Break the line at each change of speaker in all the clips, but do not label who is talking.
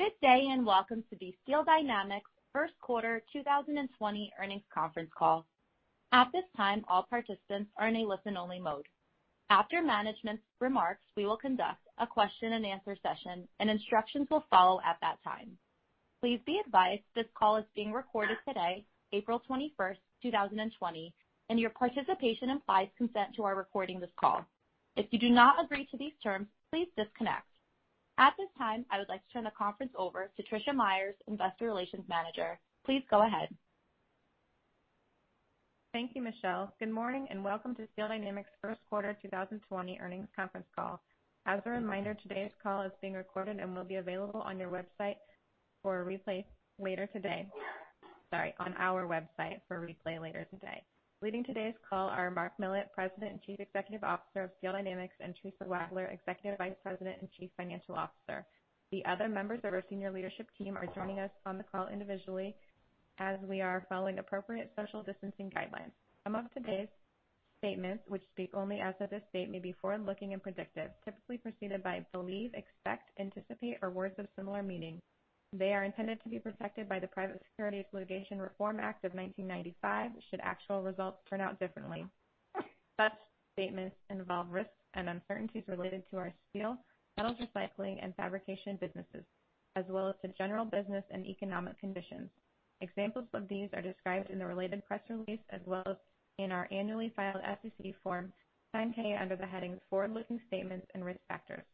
Good day and Welcome to the Steel Dynamics Q1 2020 Earnings Conference Call. At this time, all participants are in a listen-only mode. After management's remarks, we will conduct a question-and-answer session, and instructions will follow at that time. Please be advised this call is being recorded today, April 21st, 2020, and your participation implies consent to our recording this call. If you do not agree to these terms, please disconnect. At this time, I would like to turn the conference over to Tricia Meyers, Investor Relations Manager. Please go ahead.
Thank you, Michelle. Good morning and welcome to Steel Dynamics Q1 2020 earnings conference call. As a reminder, today's call is being recorded and will be available on your website for replay later today. Sorry, on our website for replay later today. Leading today's call are Mark Millett, President and Chief Executive Officer of Steel Dynamics, and Tricia Wagler, Executive Vice President and Chief Financial Officer. The other members of our senior leadership team are joining us on the call individually as we are following appropriate social distancing guidelines. Some of today's statements, which speak only as of this date, may be forward-looking and predictive, typically preceded by believe, expect, anticipate, or words of similar meaning. They are intended to be protected by the Private Securities Litigation Reform Act of 1995 should actual results turn out differently. Such statements involve risks and uncertainties related to our steel, metals recycling, and fabrication businesses, as well as the general business and economic conditions. Examples of these are described in the related press release as well as in our annually filed SEC Form 10-K under the headings Forward-Looking Statements and Risk Factors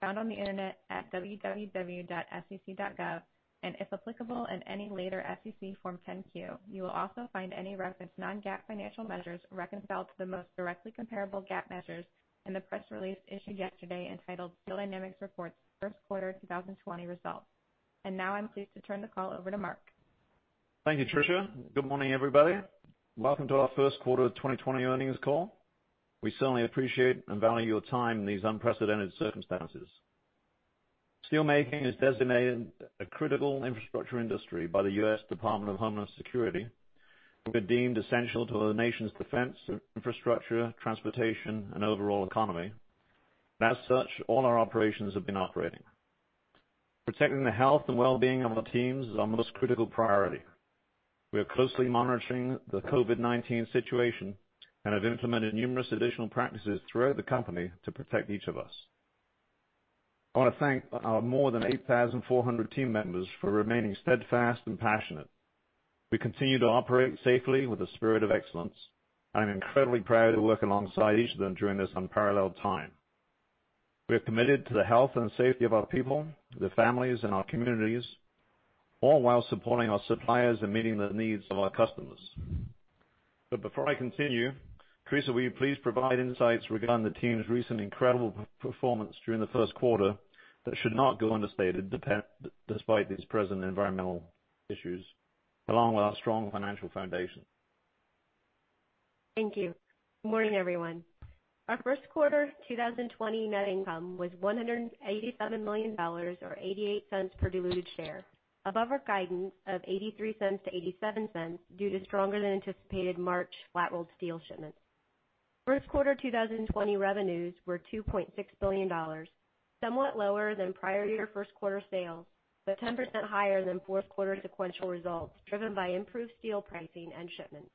found on the internet at www.sec.gov, and if applicable in any later SEC Form 10-Q, you will also find any reference non-GAAP financial measures reconciled to the most directly comparable GAAP measures in the press release issued yesterday entitled Steel Dynamics Reports Q1 2020 Results. Now I'm pleased to turn the call over to Mark.
Thank you, Tricia. Good morning, everybody. Welcome to our Q1 2020 earnings call. We certainly appreciate and value your time in these unprecedented circumstances. Steelmaking is designated a critical infrastructure industry by the U.S. Department of Homeland Security. We're deemed essential to our nation's defense, infrastructure, transportation, and overall economy. As such, all our operations have been operating. Protecting the health and well-being of our teams is our most critical priority. We are closely monitoring the COVID-19 situation and have implemented numerous additional practices throughout the company to protect each of us. I want to thank our more than 8,400 team members for remaining steadfast and passionate. We continue to operate safely with a spirit of excellence, and I'm incredibly proud to work alongside each of them during this unparalleled time. We are committed to the health and safety of our people, their families, and our communities, all while supporting our suppliers and meeting the needs of our customers. But before I continue, Tricia, will you please provide insights regarding the team's recent incredible performance during the Q1 that should not go understated despite these present environmental issues, along with our strong financial foundation?
Thank you. Good morning, everyone. Our Q1 2020 net income was $187 million or $0.88 per diluted share, above our guidance of $0.83-$0.87 due to stronger-than-anticipated March flat-rolled steel shipments. Q1 2020 revenues were $2.6 billion, somewhat lower than prior year Q1 sales, but 10% higher than Q4 sequential results driven by improved steel pricing and shipments.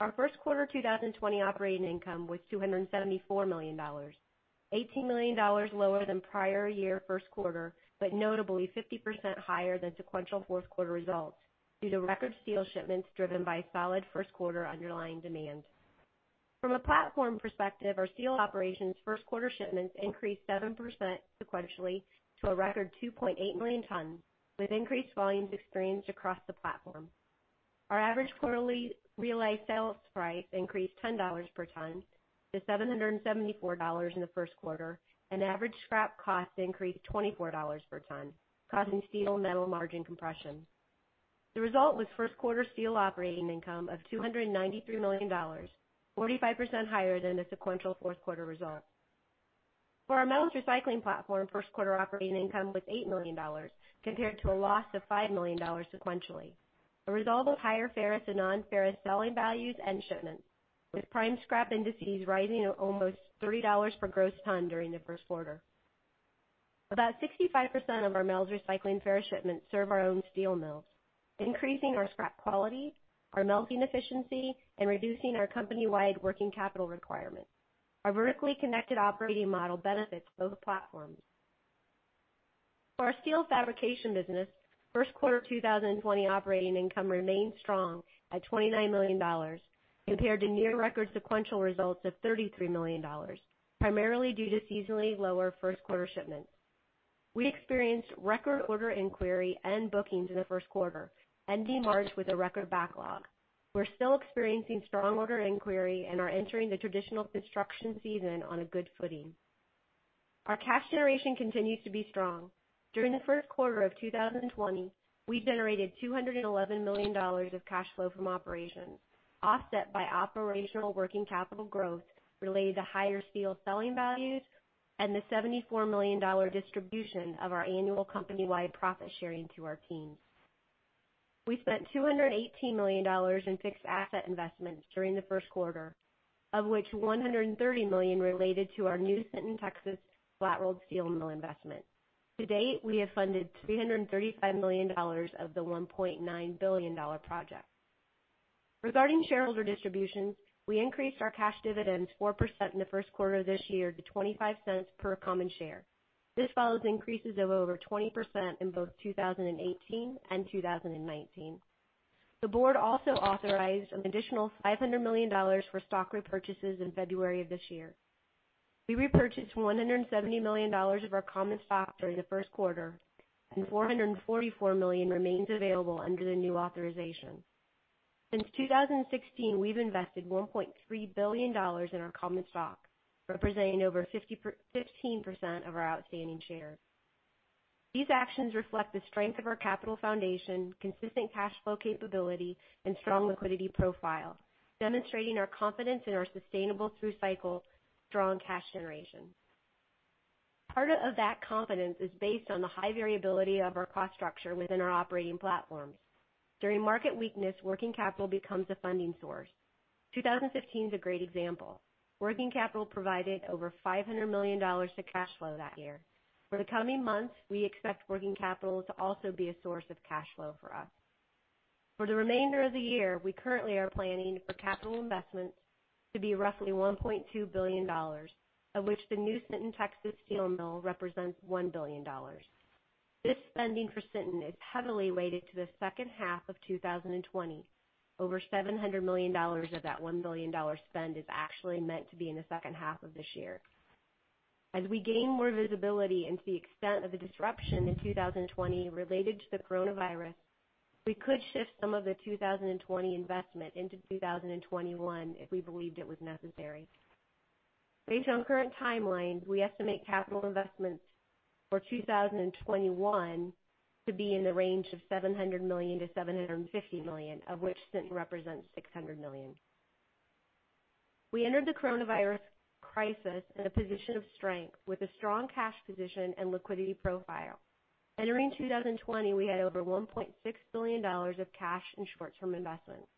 Our Q1 2020 operating income was $274 million, $18 million lower than prior year Q1, but notably 50% higher than sequential Q4 results due to record steel shipments driven by solid Q1 underlying demand. From a platform perspective, our steel operations Q1 shipments increased 7% sequentially to a record 2.8 million tons with increased volumes experienced across the platform. Our average quarterly realized sales price increased $10 per ton to $774 in the Q1, and average scrap costs increased $24 per ton, causing steel metal margin compression. The result was Q1 steel operating income of $293 million, 45% higher than the sequential Q4 results. For our metals recycling platform, Q1 operating income was $8 million compared to a loss of $5 million sequentially, a result of higher ferrous and non-ferrous selling values and shipments, with prime scrap indices rising to almost $3 per gross ton during the Q1. About 65% of our metals recycling ferrous shipments serve our own steel mills, increasing our scrap quality, our melting efficiency, and reducing our company-wide working capital requirements. Our vertically connected operating model benefits both platforms. For our steel fabrication business, Q1 2020 operating income remained strong at $29 million compared to near-record sequential results of $33 million, primarily due to seasonally lower Q1 shipments. We experienced record order inquiry and bookings in the Q1, ending March with a record backlog. We're still experiencing strong order inquiry and are entering the traditional construction season on a good footing. Our cash generation continues to be strong. During the Q1 of 2020, we generated $211 million of cash flow from operations, offset by operational working capital growth related to higher steel selling values and the $74 million distribution of our annual company-wide profit sharing to our teams. We spent $218 million in fixed asset investments during the Q1, of which $130 million related to our new Sinton Texas flat-rolled steel mill investment. To date, we have funded $335 million of the $1.9 billion project. Regarding shareholder distributions, we increased our cash dividends 4% in the Q1 of this year to $0.25 per common share. This follows increases of over 20% in both 2018 and 2019. The board also authorized an additional $500 million for stock repurchases in February of this year. We repurchased $170 million of our common stock during the Q1, and $444 million remains available under the new authorization. Since 2016, we've invested $1.3 billion in our common stock, representing over 15% of our outstanding shares. These actions reflect the strength of our capital foundation, consistent cash flow capability, and strong liquidity profile, demonstrating our confidence in our sustainable through-cycle strong cash generation. Part of that confidence is based on the high variability of our cost structure within our operating platforms. During market weakness, working capital becomes a funding source. 2015 is a great example. Working capital provided over $500 million to cash flow that year. For the coming months, we expect working capital to also be a source of cash flow for us. For the remainder of the year, we currently are planning for capital investments to be roughly $1.2 billion, of which the new Sinton Texas steel mill represents $1 billion. This spending for Sinton is heavily weighted to the second half of 2020. Over $700 million of that $1 billion spend is actually meant to be in the second half of this year. As we gain more visibility into the extent of the disruption in 2020 related to the coronavirus, we could shift some of the 2020 investment into 2021 if we believed it was necessary. Based on current timelines, we estimate capital investments for 2021 to be in the range of $700 million-$750 million, of which Sinton represents $600 million. We entered the coronavirus crisis in a position of strength with a strong cash position and liquidity profile. Entering 2020, we had over $1.6 billion of cash and short-term investments.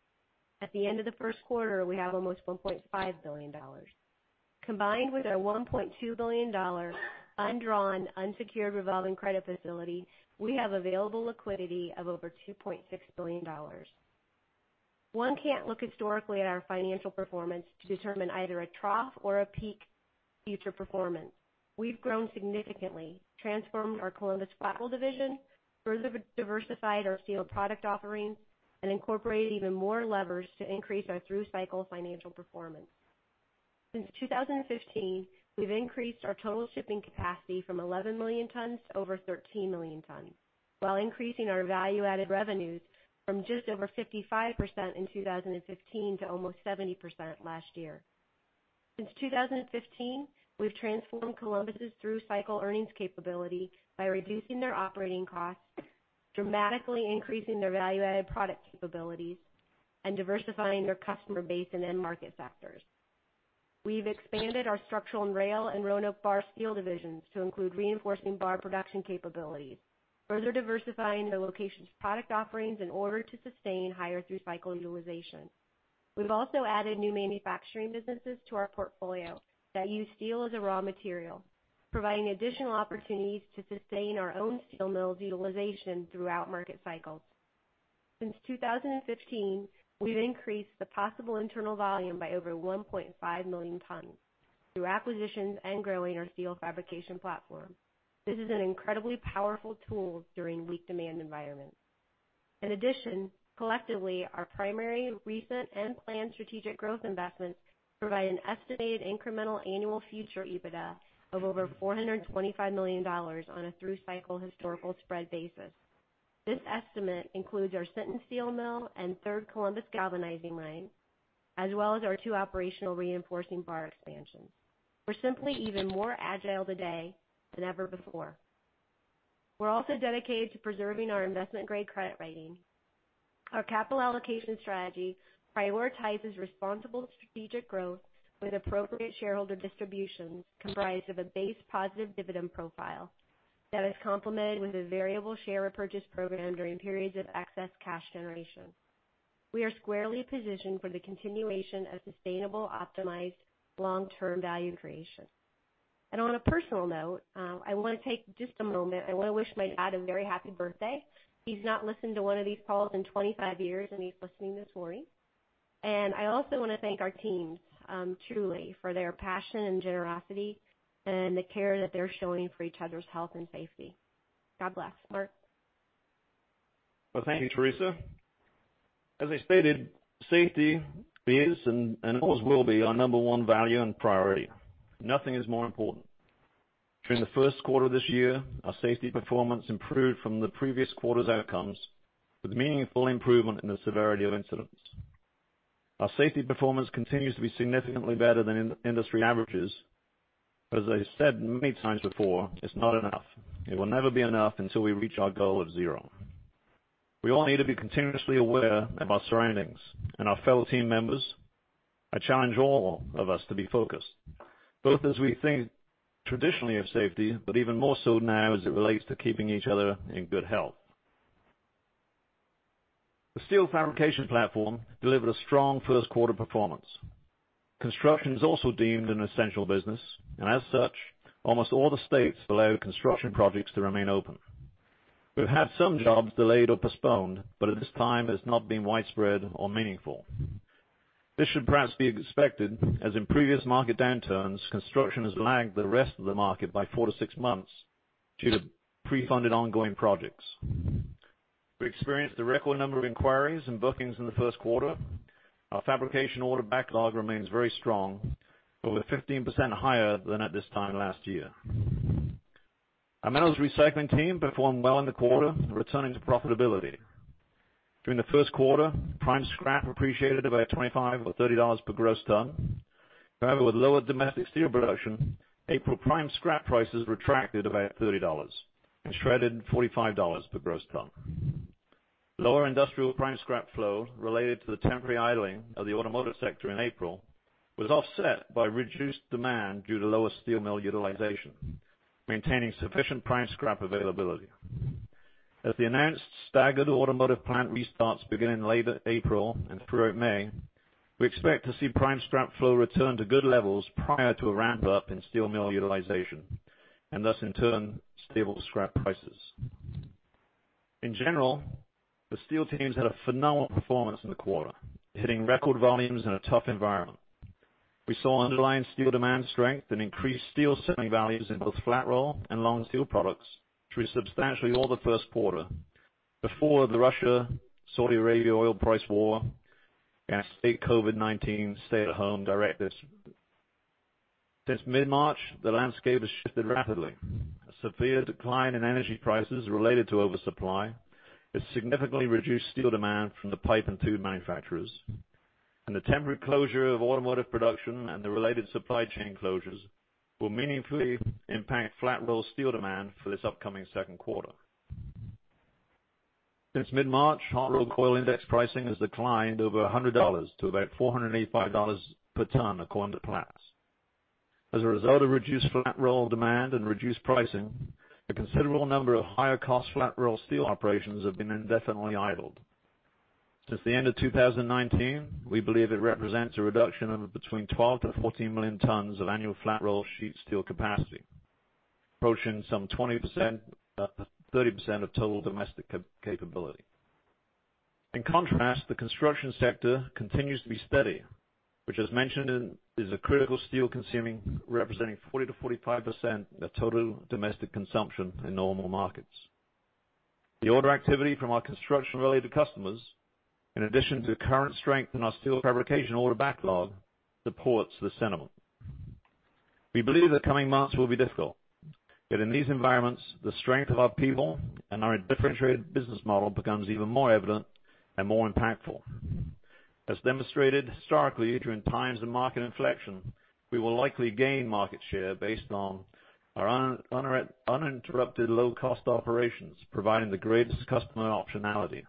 At the end of the Q1, we have almost $1.5 billion. Combined with our $1.2 billion undrawn, unsecured revolving credit facility, we have available liquidity of over $2.6 billion. One can't look historically at our financial performance to determine either a trough or a peak future performance. We've grown significantly, transformed our Columbus flat division, further diversified our steel product offerings, and incorporated even more levers to increase our through-cycle financial performance. Since 2015, we've increased our total shipping capacity from 11 million tons to over 13 million tons, while increasing our value-added revenues from just over 55% in 2015 to almost 70% last year. Since 2015, we've transformed Columbus's through-cycle earnings capability by reducing their operating costs, dramatically increasing their value-added product capabilities, and diversifying their customer base in end market sectors. We've expanded our Structural and Rail and Roanoke bar steel Divisions to include reinforcing bar production capabilities, further diversifying the location's product offerings in order to sustain higher through-cycle utilization. We've also added new manufacturing businesses to our portfolio that use steel as a raw material, providing additional opportunities to sustain our own steel mills' utilization throughout market cycles. Since 2015, we've increased the possible internal volume by over 1.5 million tons through acquisitions and growing our steel fabrication platform. This is an incredibly powerful tool during weak demand environments. In addition, collectively, our primary, recent, and planned strategic growth investments provide an estimated incremental annual future EBITDA of over $425 million on a through-cycle historical spread basis. This estimate includes our Sinton Steel Mill and Third Columbus Galvanizing Line, as well as our two operational reinforcing bar expansions. We're simply even more agile today than ever before. We're also dedicated to preserving our investment-grade credit rating. Our capital allocation strategy prioritizes responsible strategic growth with appropriate shareholder distributions comprised of a base positive dividend profile that is complemented with a variable share of purchase program during periods of excess cash generation. We are squarely positioned for the continuation of sustainable, optimized, long-term value creation. And on a personal note, I want to take just a moment. I want to wish my dad a very happy birthday. He's not listened to one of these calls in 25 years, and he's listening this morning. And I also want to thank our teams truly for their passion and generosity and the care that they're showing for each other's health and safety. God bless. Mark.
Thank you, Tricia. As I stated, safety is and always will be our number one value and priority. Nothing is more important. During the Q1 of this year, our safety performance improved from the previous quarter's outcomes with meaningful improvement in the severity of incidents. Our safety performance continues to be significantly better than industry averages. As I said many times before, it's not enough. It will never be enough until we reach our goal of zero. We all need to be continuously aware of our surroundings and our fellow team members. I challenge all of us to be focused, both as we think traditionally of safety, but even more so now as it relates to keeping each other in good health. The steel fabrication platform delivered a strong Q1 performance. Construction is also deemed an essential business, and as such, almost all the states allow construction projects to remain open. We've had some jobs delayed or postponed, but at this time, it has not been widespread or meaningful. This should perhaps be expected, as in previous market downturns, construction has lagged the rest of the market by four to six months due to pre-funded ongoing projects. We experienced a record number of inquiries and bookings in the Q1. Our fabrication order backlog remains very strong, over 15% higher than at this time last year. Our metals recycling team performed well in the quarter, returning to profitability. During the Q1, prime scrap appreciated about $25 or $30 per gross ton. However, with lower domestic steel production, April prime scrap prices retracted about $30 and shredded $45 per gross ton. Lower industrial prime scrap flow related to the temporary idling of the automotive sector in April was offset by reduced demand due to lower steel mill utilization, maintaining sufficient prime scrap availability. As the announced staggered automotive plant restarts begin in late April and throughout May, we expect to see prime scrap flow return to good levels prior to a ramp-up in steel mill utilization and thus, in turn, stable scrap prices. In general, the steel teams had a phenomenal performance in the quarter, hitting record volumes in a tough environment. We saw underlying steel demand strength and increased steel selling values in both flat-roll and long steel products through substantially all the Q1 before the Russia-Saudi Arabia oil price war and state COVID-19 stay-at-home directives. Since mid-March, the landscape has shifted rapidly. A severe decline in energy prices related to oversupply has significantly reduced steel demand from the pipe and tube manufacturers. And the temporary closure of automotive production and the related supply chain closures will meaningfully impact flat-roll steel demand for this upcoming Q2. Since mid-March, hot-rolled coil index pricing has declined over $100 to about $485 per ton according to Platts. As a result of reduced flat-roll demand and reduced pricing, a considerable number of higher-cost flat-roll steel operations have been indefinitely idled. Since the end of 2019, we believe it represents a reduction of between 12-14 million tons of annual flat-roll sheet steel capacity, approaching some 20%-30% of total domestic capability. In contrast, the construction sector continues to be steady, which, as mentioned, is a critical steel consumer, representing 40%-45% of total domestic consumption in normal markets. The order activity from our construction-related customers, in addition to current strength in our steel fabrication order backlog, supports the sentiment. We believe the coming months will be difficult. Yet in these environments, the strength of our people and our differentiated business model becomes even more evident and more impactful. As demonstrated historically during times of market inflection, we will likely gain market share based on our uninterrupted low-cost operations providing the greatest customer optionality,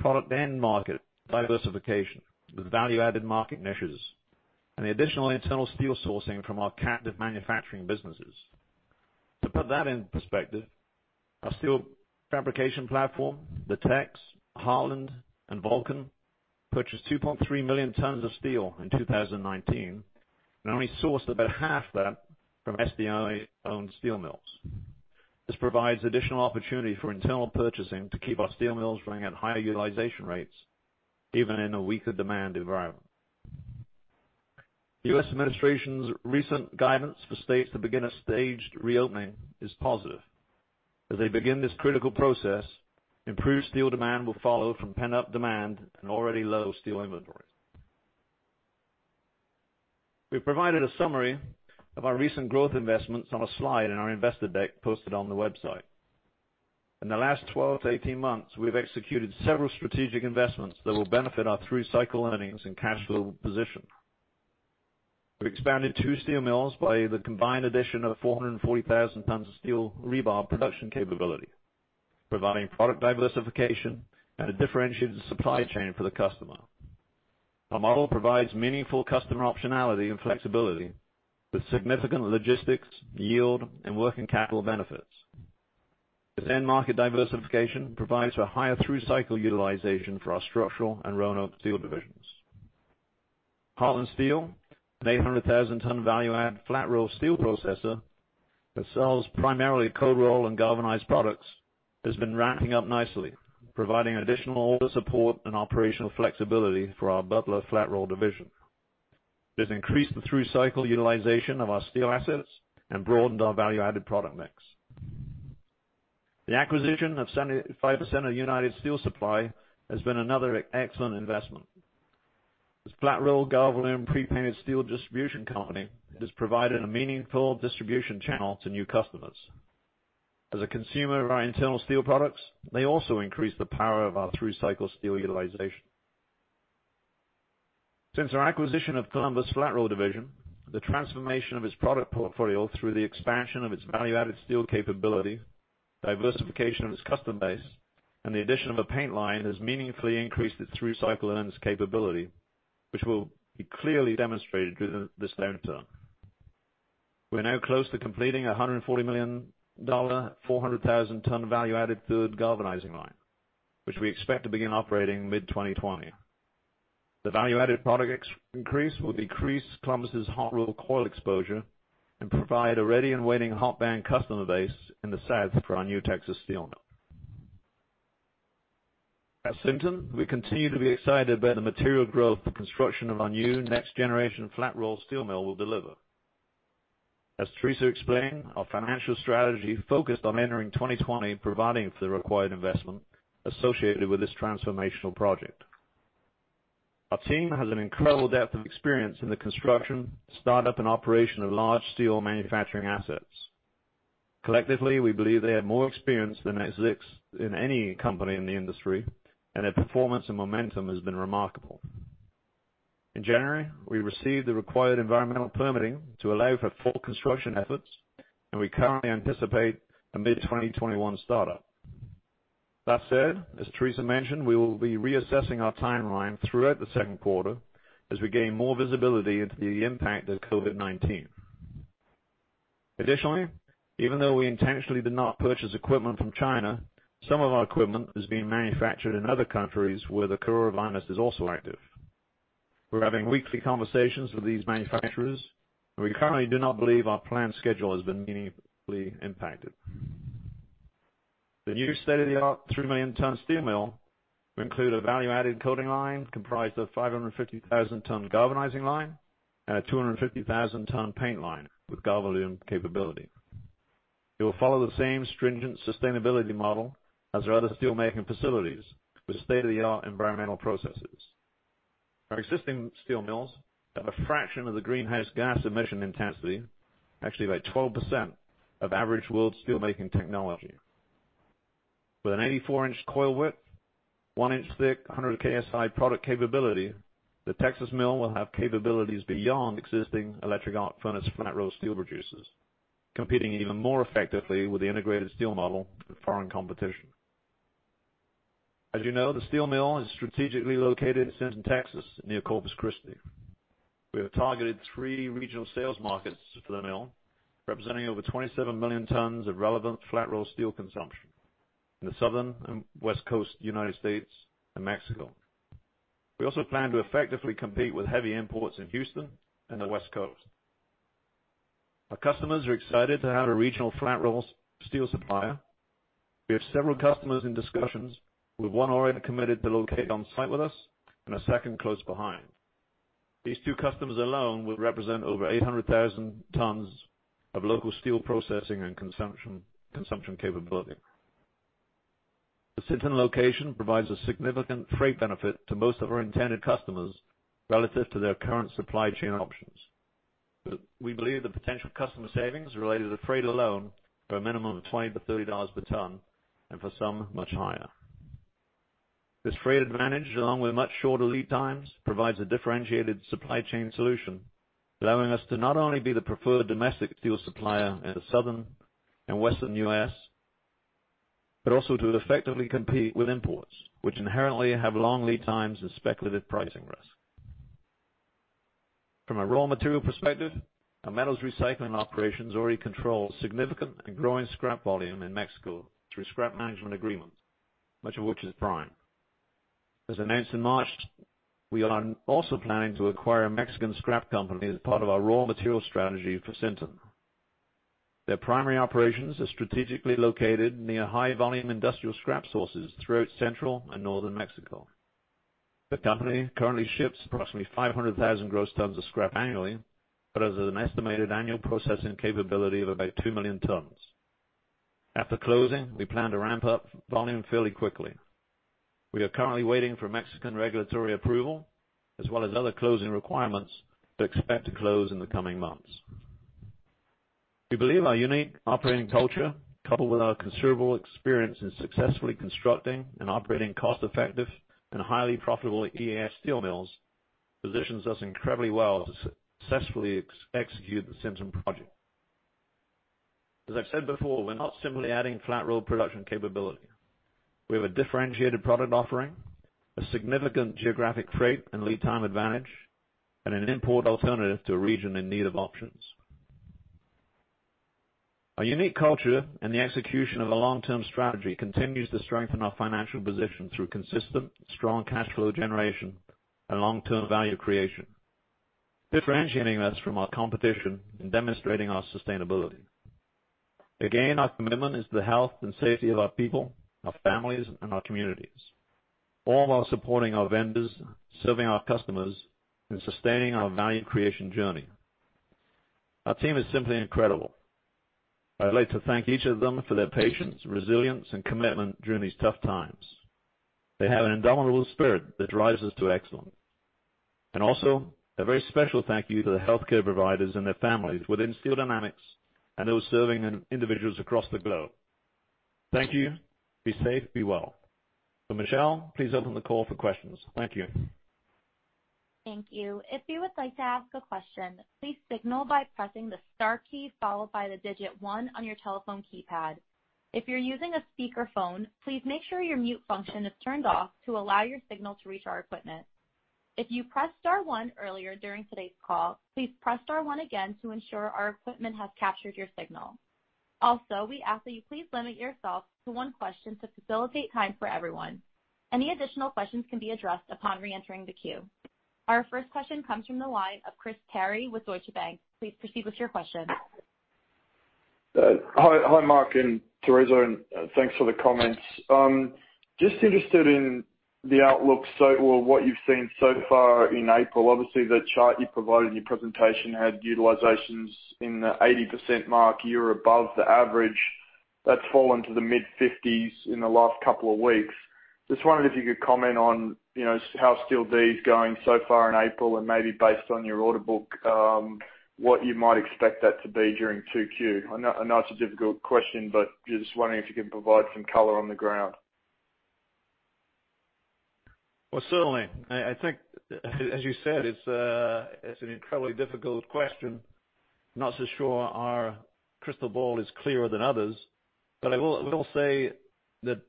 product and market diversification, the value-added market niches, and the additional internal steel sourcing from our captive manufacturing businesses. To put that in perspective, our steel fabrication platform, The Techs, Heartland, and Vulcan purchased 2.3 million tons of steel in 2019 and only sourced about half that from SDI-owned steel mills. This provides additional opportunity for internal purchasing to keep our steel mills running at higher utilization rates, even in a weaker demand environment. The U.S. administration's recent guidance for states to begin a staged reopening is positive. As they begin this critical process, improved steel demand will follow from pent-up demand and already low steel inventories. We've provided a summary of our recent growth investments on a slide in our investor deck posted on the website. In the last 12-18 months, we've executed several strategic investments that will benefit our through-cycle earnings and cash flow position. We've expanded two steel mills by the combined addition of 440,000 tons of steel rebar production capability, providing product diversification and a differentiated supply chain for the customer. Our model provides meaningful customer optionality and flexibility with significant logistics, yield, and working capital benefits. The end market diversification provides for higher through-cycle utilization for our structural and Roanoke steel divisions. Heartland Steel, an 800,000-ton value-add flat-roll steel processor that sells primarily cold-roll and galvanized products, has been ramping up nicely, providing additional order support and operational flexibility for our Butler flat-roll division. It has increased the through-cycle utilization of our steel assets and broadened our value-added product mix. The acquisition of 75% of United Steel Supply has been another excellent investment. As flat-roll galvanized and pre-painted steel distribution company, it has provided a meaningful distribution channel to new customers. As a consumer of our internal steel products, they also increase the power of our through-cycle steel utilization. Since our acquisition of Columbus Flat Roll Division, the transformation of its product portfolio through the expansion of its value-added steel capability, diversification of its customer base, and the addition of a paint line has meaningfully increased its through-cycle earnings capability, which will be clearly demonstrated during this downturn. We're now close to completing a $140 million, 400,000-ton value-added third galvanizing line, which we expect to begin operating mid-2020. The value-added product increase will decrease Columbus's hot-rolled coil exposure and provide a ready and waiting hot-band customer base in the south for our new Texas steel mill. As such, we continue to be excited about the material growth the construction of our new next-generation flat-rolled steel mill will deliver. As Tricia explained, our financial strategy focused on entering 2020 providing for the required investment associated with this transformational project. Our team has an incredible depth of experience in the construction, startup, and operation of large steel manufacturing assets. Collectively, we believe they have more experience than exists in any company in the industry, and their performance and momentum has been remarkable. In January, we received the required environmental permitting to allow for full construction efforts, and we currently anticipate a mid-2021 startup. That said, as Tricia mentioned, we will be reassessing our timeline throughout the Q2 as we gain more visibility into the impact of COVID-19. Additionally, even though we intentionally did not purchase equipment from China, some of our equipment is being manufactured in other countries where the coronavirus is also active. We're having weekly conversations with these manufacturers, and we currently do not believe our planned schedule has been meaningfully impacted. The new state-of-the-art three million-ton steel mill will include a value-added coating line comprised of a 550,000-ton galvanizing line and a 250,000-ton paint line with galvanizing capability. It will follow the same stringent sustainability model as our other steel-making facilities with state-of-the-art environmental processes. Our existing steel mills have a fraction of the greenhouse gas emission intensity, actually about 12% of average world steel-making technology. With an 84-inch coil width, one-inch thick, 100 KSI product capability, the Texas mill will have capabilities beyond existing electric arc furnace flat-roll steel producers, competing even more effectively with the integrated steel model for foreign competition. As you know, the steel mill is strategically located in Texas, near Corpus Christi. We have targeted three regional sales markets for the mill, representing over 27 million tons of relevant flat-roll steel consumption in the Southern and West Coast United States and Mexico. We also plan to effectively compete with heavy imports in Houston and the West Coast. Our customers are excited to have a regional flat-roll steel supplier. We have several customers in discussions, with one already committed to locate on-site with us and a second close behind. These two customers alone will represent over 800,000 tons of local steel processing and consumption capability. The Sinton location provides a significant freight benefit to most of our intended customers relative to their current supply chain options. We believe the potential customer savings related to freight alone are a minimum of $20-$30 per ton and for some much higher. This freight advantage, along with much shorter lead times, provides a differentiated supply chain solution, allowing us to not only be the preferred domestic steel supplier in the southern and western U.S., but also to effectively compete with imports, which inherently have long lead times and speculative pricing risk. From a raw material perspective, our metals recycling operations already control significant and growing scrap volume in Mexico through scrap management agreements, much of which is prime. As announced in March, we are also planning to acquire a Mexican scrap company as part of our raw material strategy for Sinton. Their primary operations are strategically located near high-volume industrial scrap sources throughout central and northern Mexico. The company currently ships approximately 500,000 gross tons of scrap annually, but has an estimated annual processing capability of about two million tons. After closing, we plan to ramp up volume fairly quickly. We are currently waiting for Mexican regulatory approval, as well as other closing requirements to expect to close in the coming months. We believe our unique operating culture, coupled with our considerable experience in successfully constructing and operating cost-effective and highly profitable EAF steel mills, positions us incredibly well to successfully execute the Sinton project. As I've said before, we're not simply adding flat-roll production capability. We have a differentiated product offering, a significant geographic freight and lead time advantage, and an import alternative to a region in need of options. Our unique culture and the execution of a long-term strategy continue to strengthen our financial position through consistent, strong cash flow generation and long-term value creation, differentiating us from our competition and demonstrating our sustainability. Again, our commitment is to the health and safety of our people, our families, and our communities, all while supporting our vendors, serving our customers, and sustaining our value creation journey. Our team is simply incredible. I'd like to thank each of them for their patience, resilience, and commitment during these tough times. They have an indomitable spirit that drives us to excellence. And also, a very special thank you to the healthcare providers and their families within Steel Dynamics and those serving individuals across the globe. Thank you. Be safe. Be well. So Michelle, please open the call for questions. Thank you.
Thank you. If you would like to ask a question, please signal by pressing the star key followed by the digit one on your telephone keypad. If you're using a speakerphone, please make sure your mute function is turned off to allow your signal to reach our equipment. If you pressed star one earlier during today's call, please press star one again to ensure our equipment has captured your signal. Also, we ask that you please limit yourself to one question to facilitate time for everyone. Any additional questions can be addressed upon re-entering the queue. Our first question comes from the line of Chris Kerry with Deutsche Bank. Please proceed with your question.
Hi, Mark and Tricia, and thanks for the comments. Just interested in the outlook or what you've seen so far in April. Obviously, the chart you provided in your presentation had utilizations in the 80% mark. You're above the average. That's fallen to the mid-50s in the last couple of weeks. Just wondered if you could comment on how Steel D is going so far in April, and maybe based on your order book, what you might expect that to be during 2Q. I know it's a difficult question, but just wondering if you can provide some color on the ground.
Certainly. I think, as you said, it's an incredibly difficult question. Not so sure our crystal ball is clearer than others, but I will say that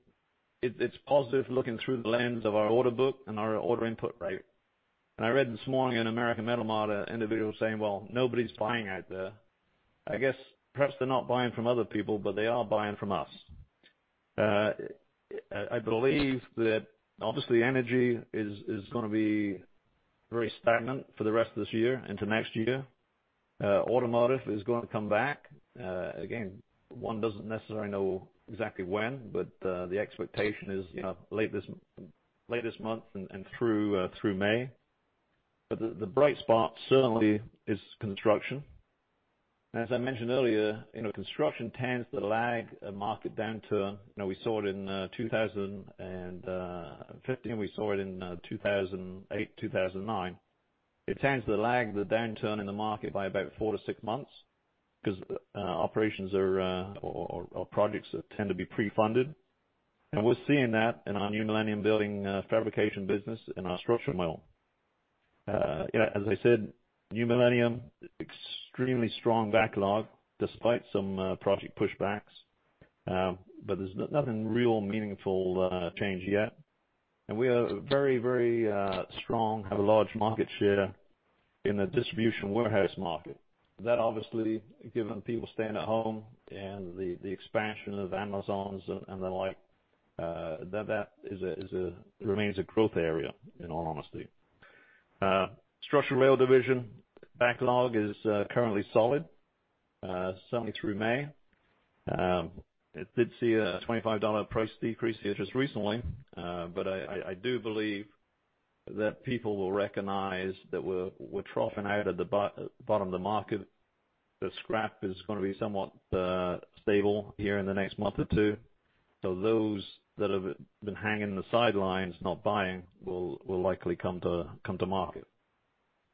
it's positive looking through the lens of our order book and our order input rate. I read this morning an American Metal Market individual saying, "Well, nobody's buying out there." I guess perhaps they're not buying from other people, but they are buying from us. I believe that obviously energy is going to be very stagnant for the rest of this year into next year. Automotive is going to come back. Again, one doesn't necessarily know exactly when, but the expectation is late this month and through May. The bright spot certainly is construction. As I mentioned earlier, construction tends to lag a market downturn. We saw it in 2015. We saw it in 2008, 2009. It tends to lag the downturn in the market by about four to six months because operations or projects tend to be pre-funded. We're seeing that in our New Millennium building fabrication business and our structural mill. As I said, New Millennium, extremely strong backlog despite some project pushbacks, but there's nothing real meaningful change yet. We are very, very strong, have a large market share in the distribution warehouse market. That obviously, given people staying at home and the expansion of Amazon's and the like, that remains a growth area, in all honesty. Structural Rail Division backlog is currently solid, certainly through May. It did see a $25 price decrease here just recently, but I do believe that people will recognize that we're troughing out at the bottom of the market. The scrap is going to be somewhat stable here in the next month or two. Those that have been hanging in the sidelines, not buying, will likely come to market.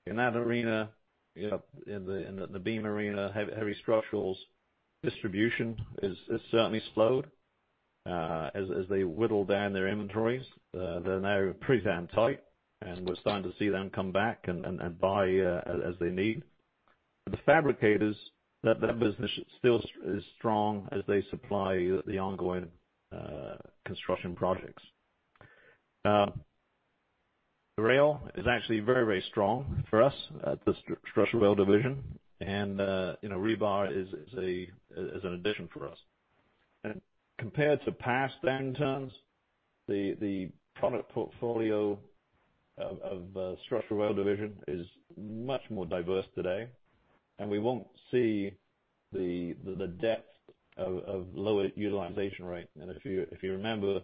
In that arena, in the beam arena, heavy structural distribution has certainly slowed as they whittle down their inventories. They're now pretty damn tight, and we're starting to see them come back and buy as they need. The fabricators, that business still is strong as they supply the ongoing construction projects. Rail is actually very, very strong for us at the Structural Rail Division, and rebar is an addition for us. Compared to past downturns, the product portfolio of Structural Rail Division is much more diverse today, and we won't see the depth of lower utilization rate. If you remember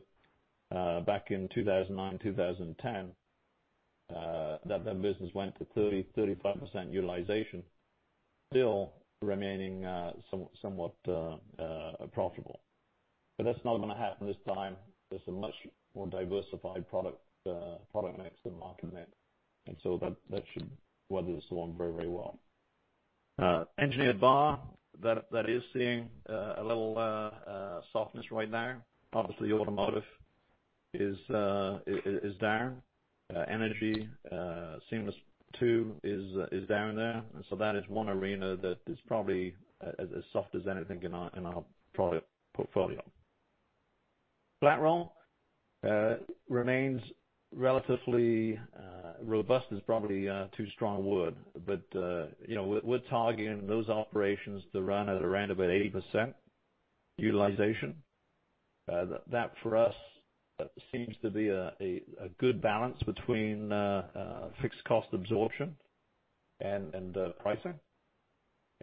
back in 2009, 2010, that business went to 30%-35% utilization, still remaining somewhat profitable. That's not going to happen this time. There's a much more diversified product mix than market mix, and so that should weather this along very, very well. Engineered bar, that is seeing a little softness right now. Obviously, automotive is down. Energy, seamless too is down there. And so that is one arena that is probably as soft as anything in our product portfolio. Flat roll remains relatively robust is probably too strong a word, but we're targeting those operations to run at around about 80% utilization. That for us seems to be a good balance between fixed cost absorption and pricing.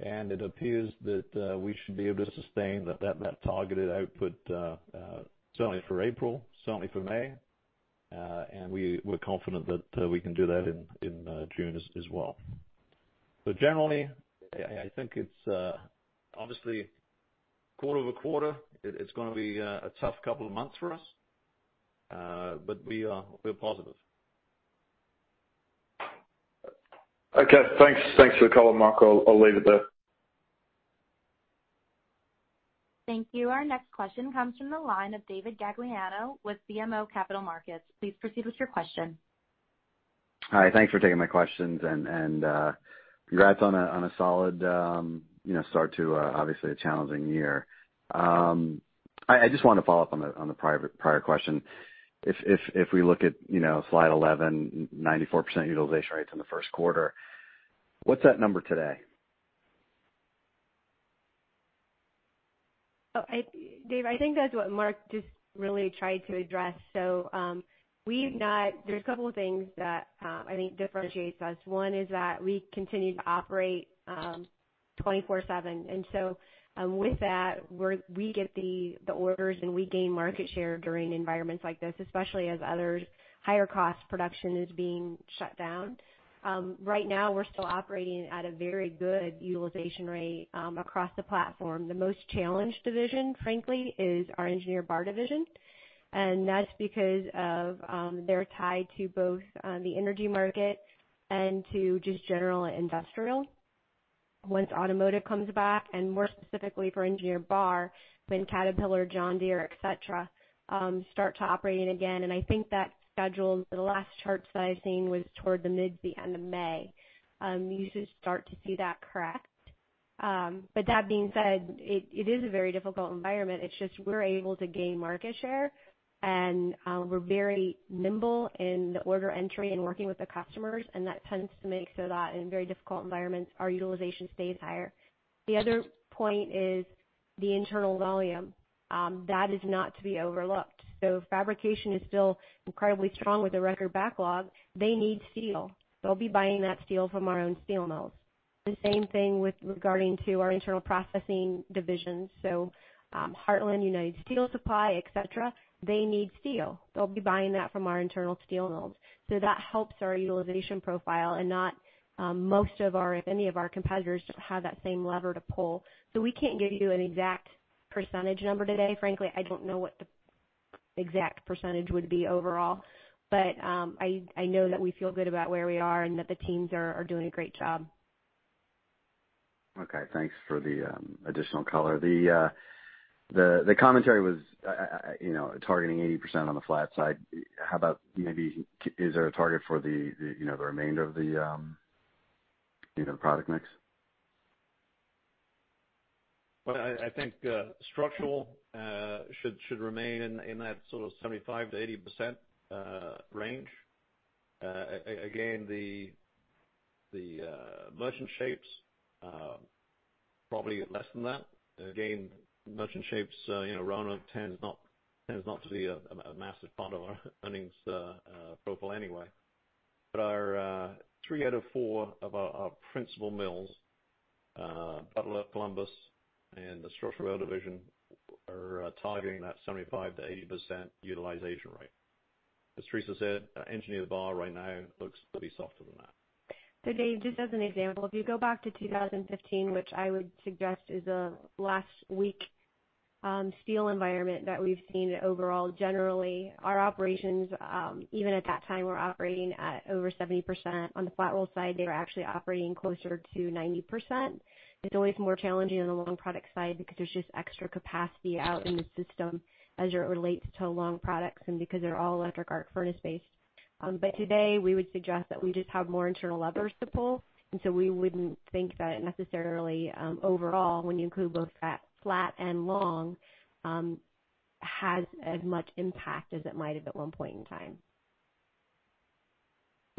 And it appears that we should be able to sustain that targeted output certainly for April, certainly for May, and we're confident that we can do that in June as well. But generally, I think it's obviously quarter over quarter, it's going to be a tough couple of months for us, but we're positive.
Okay. Thanks for the call, Mark. I'll leave it there.
Thank you. Our next question comes from the line of David Gagliano with BMO Capital Markets. Please proceed with your question.
Hi. Thanks for taking my questions and congrats on a solid start to obviously a challenging year. I just wanted to follow up on the prior question. If we look at slide 11, 94% utilization rates in the Q1, what's that number today?
David, I think that's what Mark just really tried to address, so there's a couple of things that I think differentiates us. One is that we continue to operate 24/7, and so with that, we get the orders and we gain market share during environments like this, especially as other higher cost production is being shut down. Right now, we're still operating at a very good utilization rate across the platform. The most challenged division, frankly, is our engineered bar division, and that's because they're tied to both the energy market and to just general industrial. Once automotive comes back, and more specifically for engineered bar, when Caterpillar, John Deere, et cetera, start to operate again, and I think that schedule, the last charts that I've seen was toward the mid to the end of May, you should start to see that correct. But that being said, it is a very difficult environment. It's just we're able to gain market share, and we're very nimble in the order entry and working with the customers, and that tends to make so that in very difficult environments, our utilization stays higher. The other point is the internal volume. That is not to be overlooked. So fabrication is still incredibly strong with a record backlog. They need steel. They'll be buying that steel from our own steel mills. The same thing regarding our internal processing divisions. So Heartland, United Steel Supply, et cetera, they need steel. They'll be buying that from our internal steel mills. So that helps our utilization profile, and most of our, if any of our competitors have that same lever to pull. So we can't give you an exact percentage number today. Frankly, I don't know what the exact percentage would be overall, but I know that we feel good about where we are and that the teams are doing a great job.
Okay. Thanks for the additional color. The commentary was targeting 80% on the flat side. How about maybe is there a target for the remainder of the product mix?
I think structural should remain in that sort of 75%-80% range. Again, the merchant shapes probably less than that. Again, merchant shapes, Roanoke tends not to be a massive part of our earnings profile anyway. But three out of four of our principal mills, Butler, Columbus, and the Structural Rail Division are targeting that 75%-80% utilization rate. As Tricia said, engineered bar right now looks to be softer than that.
David, just as an example, if you go back to 2015, which I would suggest is the last weak steel environment that we've seen overall, generally, our operations, even at that time, were operating at over 70%. On the flat roll side, they were actually operating closer to 90%. It's always more challenging on the long product side because there's just extra capacity out in the system as it relates to long products and because they're all electric arc furnace based. But today, we would suggest that we just have more internal levers to pull. And so we wouldn't think that necessarily overall, when you include both the flat and long, has as much impact as it might have at one point in time.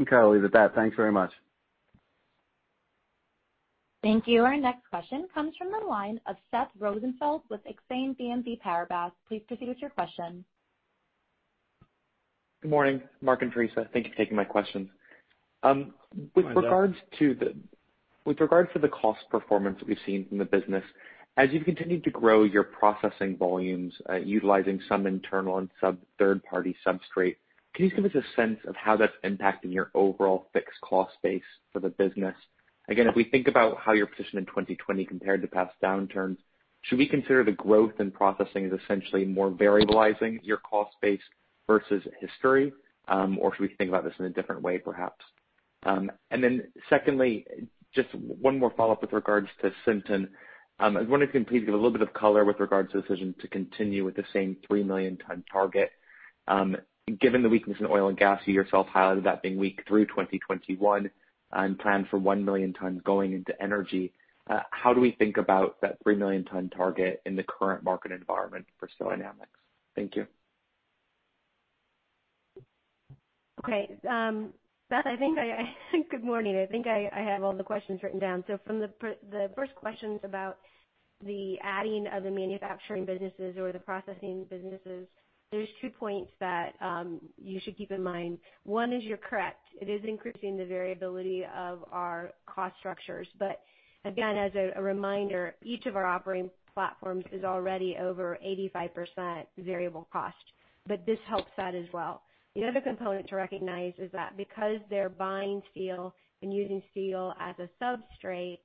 Okay. I'll leave it at that. Thanks very much.
Thank you. Our next question comes from the line of Seth Rosenfeld with Exane BNP Paribas. Please proceed with your question.
Good morning. Mark and Tricia, thank you for taking my questions. With regard to the cost performance that we've seen from the business, as you've continued to grow your processing volumes utilizing some internal and some third-party substrate, can you give us a sense of how that's impacting your overall fixed cost base for the business? Again, if we think about how your position in 2020 compared to past downturns, should we consider the growth in processing as essentially more variabilizing your cost base versus history, or should we think about this in a different way, perhaps? And then secondly, just one more follow-up with regards to Sinton. I wonder if you can please give a little bit of color with regards to the decision to continue with the same three million-ton target? Given the weakness in oil and gas, you yourself highlighted that being weak through 2021 and planned for one million tons going into energy. How do we think about that three million-ton target in the current market environment for Steel Dynamics? Thank you.
Okay. Seth, good morning. I think I have all the questions written down. From the first questions about the adding of the manufacturing businesses or the processing businesses, there are two points that you should keep in mind. One is you're correct. It is increasing the variability of our cost structures. But again, as a reminder, each of our operating platforms is already over 85% variable cost, but this helps that as well. The other component to recognize is that because they're buying steel and using steel as a substrate,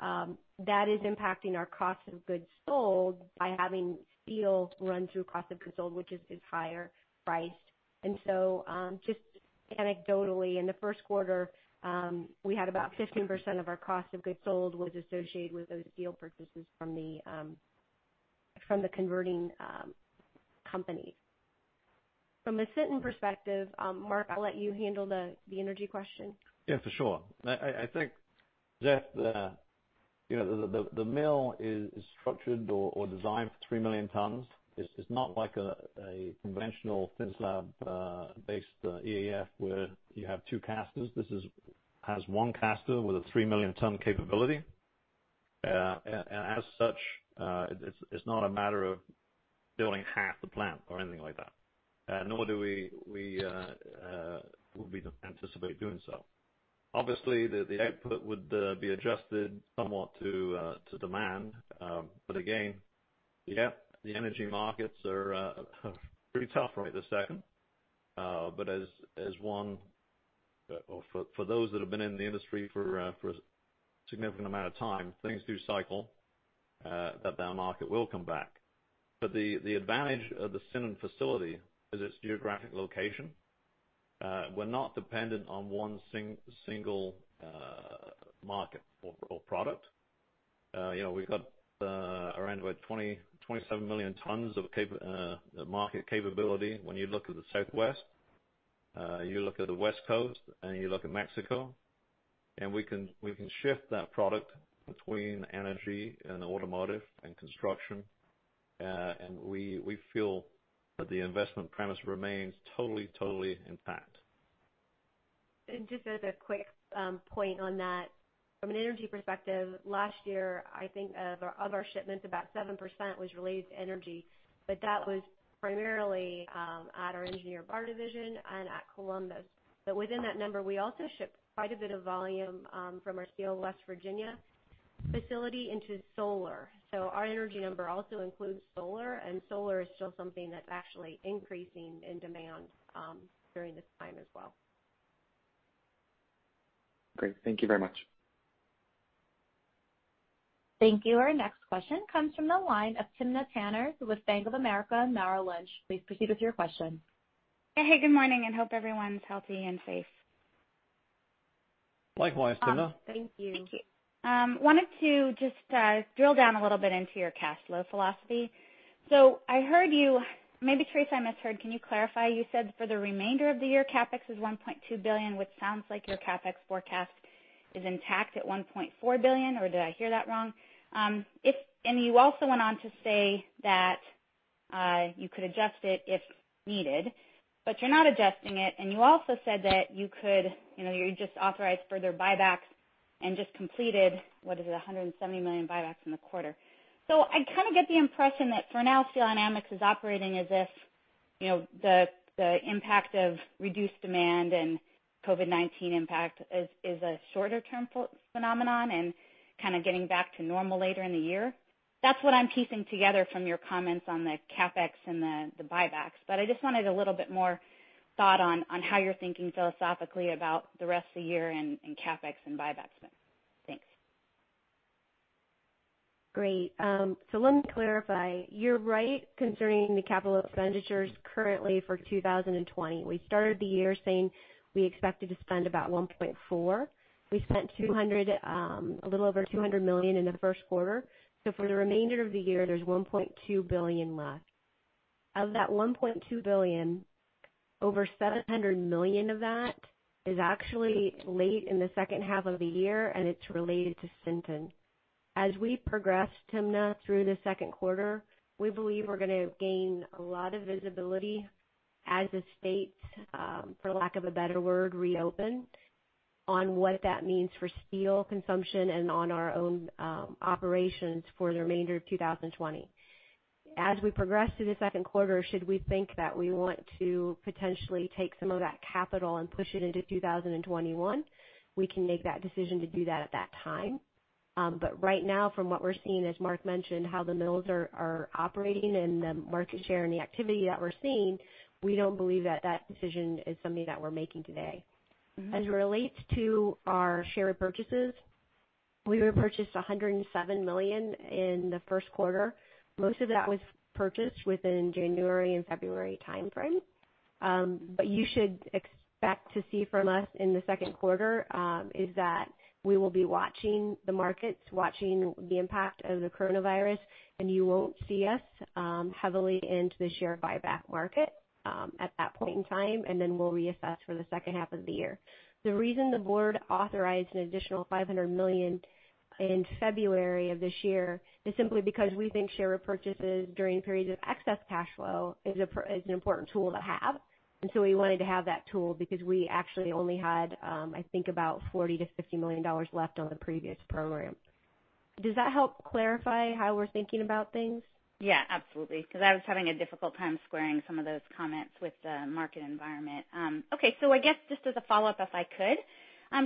that is impacting our cost of goods sold by having steel run through cost of goods sold, which is higher priced. And so just anecdotally, in the Q1, we had about 15% of our cost of goods sold was associated with those steel purchases from the converting companies. From a Sinton perspective, Mark, I'll let you handle the energy question.
Yeah, for sure. I think, the mill is structured or designed for three million tons. It's not like a conventional thin-slab-based EAF where you have two casters. This has one caster with a three million-ton capability. And as such, it's not a matter of building half the plant or anything like that, nor do we anticipate doing so. Obviously, the output would be adjusted somewhat to demand. But again, yeah, the energy markets are pretty tough right this second. But as one or for those that have been in the industry for a significant amount of time, things do cycle that market will come back. But the advantage of the Sinton facility is its geographic location. We're not dependent on one single market or product. We've got around about 27 million tons of market capability when you look at the Southwest, you look at the West Coast, and you look at Mexico. And we can shift that product between energy and automotive and construction. And we feel that the investment premise remains totally, totally intact.
And just as a quick point on that, from an energy perspective, last year, I think of our shipments, about 7% was related to energy, but that was primarily at our engineered bar division and at Columbus. But within that number, we also shipped quite a bit of volume from our Steel of West Virginia facility into solar. So our energy number also includes solar, and solar is still something that's actually increasing in demand during this time as well.
Great. Thank you very much.
Thank you. Our next question comes from the line of Timna Tanners with Bank of America Merrill Lynch. Please proceed with your question.
Hey, good morning. I hope everyone's healthy and safe.
Likewise, Timna.
Thank you. Wanted to just drill down a little bit into your cash flow philosophy. So I heard you maybe, Tricia, I misheard. Can you clarify? You said for the remainder of the year, CapEx is $1.2 billion, which sounds like your CapEx forecast is intact at $1.4 billion, or did I hear that wrong? And you also went on to say that you could adjust it if needed, but you're not adjusting it. And you also said that you could just authorized further buybacks and just completed, what is it, $170 million buybacks in the quarter. So I kind of get the impression that for now, Steel Dynamics is operating as if the impact of reduced demand and COVID-19 impact is a shorter-term phenomenon and kind of getting back to normal later in the year. That's what I'm piecing together from your comments on the CapEx and the buybacks. But I just wanted a little bit more thought on how you're thinking philosophically about the rest of the year and CapEx and buybacks. Thanks.
Great. So let me clarify. You're right concerning the capital expenditures currently for 2020. We started the year saying we expected to spend about $1.4 billion. We spent a little over $200 million in the Q1. So for the remainder of the year, there's $1.2 billion left. Of that $1.2 billion, over $700 million of that is actually late in the second half of the year, and it's related to Sinton. As we progress, Timna, through the Q2, we believe we're going to gain a lot of visibility as the state, for lack of a better word, reopen on what that means for steel consumption and on our own operations for the remainder of 2020. As we progress to the Q2, should we think that we want to potentially take some of that capital and push it into 2021, we can make that decision to do that at that time, but right now, from what we're seeing, as Mark mentioned, how the mills are operating and the market share and the activity that we're seeing, we don't believe that that decision is something that we're making today. As it relates to our share of purchases, we purchased $107 million in the Q1. Most of that was purchased within January and February timeframe. But you should expect to see from us in the Q2 is that we will be watching the markets, watching the impact of the coronavirus, and you won't see us heavily into the share buyback market at that point in time, and then we'll reassess for the second half of the year. The reason the board authorized an additional $500 million in February of this year is simply because we think share of purchases during periods of excess cash flow is an important tool to have. And so we wanted to have that tool because we actually only had, I think, about $40 million-$50 million left on the previous program. Does that help clarify how we're thinking about things?
Yeah, absolutely. Because I was having a difficult time squaring some of those comments with the market environment. Okay. So I guess just as a follow-up, if I could,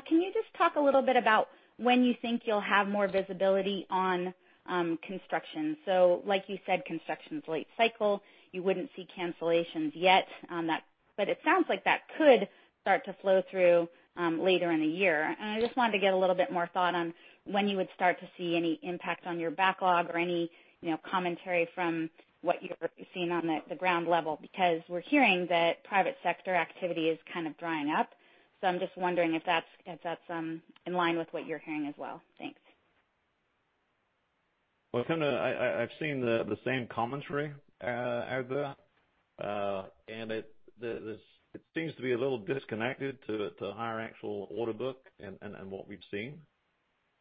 can you just talk a little bit about when you think you'll have more visibility on construction? So like you said, construction's late cycle. You wouldn't see cancellations yet. But it sounds like that could start to flow through later in the year. And I just wanted to get a little bit more thought on when you would start to see any impact on your backlog or any commentary from what you're seeing on the ground level because we're hearing that private sector activity is kind of drying up. So I'm just wondering if that's in line with what you're hearing as well. Thanks.
Timna, I've seen the same commentary out there, and it seems to be a little disconnected to our actual order book and what we've seen.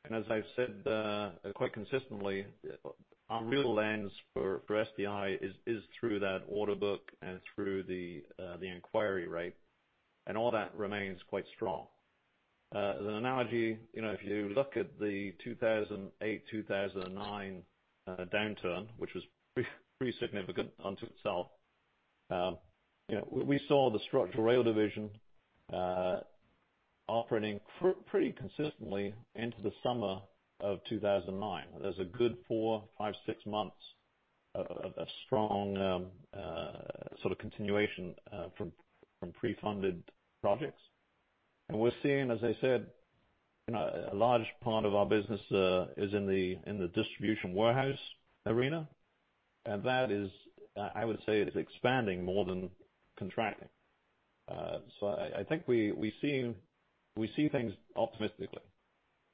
And as I've said quite consistently, our real lens for SDI is through that order book and through the inquiry rate, and all that remains quite strong. As an analogy, if you look at the 2008, 2009 downturn, which was pretty significant unto itself, we saw the Structural Rail Division operating pretty consistently into the summer of 2009. There's a good four, five, six months of strong sort of continuation from pre-funded projects, and we're seeing, as I said, a large part of our business is in the distribution warehouse arena, and that is, I would say, it's expanding more than contracting, so I think we see things optimistically.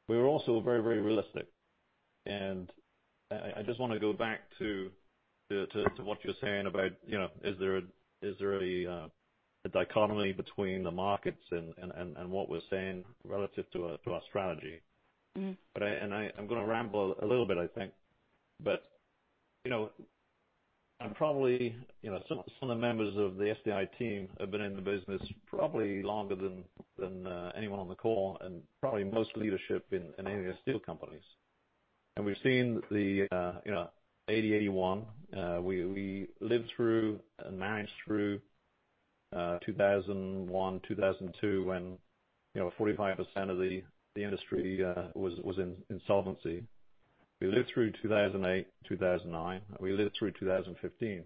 We're also very, very realistic. I just want to go back to what you're saying about, is there a dichotomy between the markets and what we're saying relative to our strategy? I'm going to ramble a little bit, I think. Probably some of the members of the SDI team have been in the business probably longer than anyone on the call and probably most leadership in any of the steel companies. We've seen the 80/81. We lived through and managed through 2001, 2002, when 45% of the industry was in insolvency. We lived through 2008, 2009. We lived through 2015.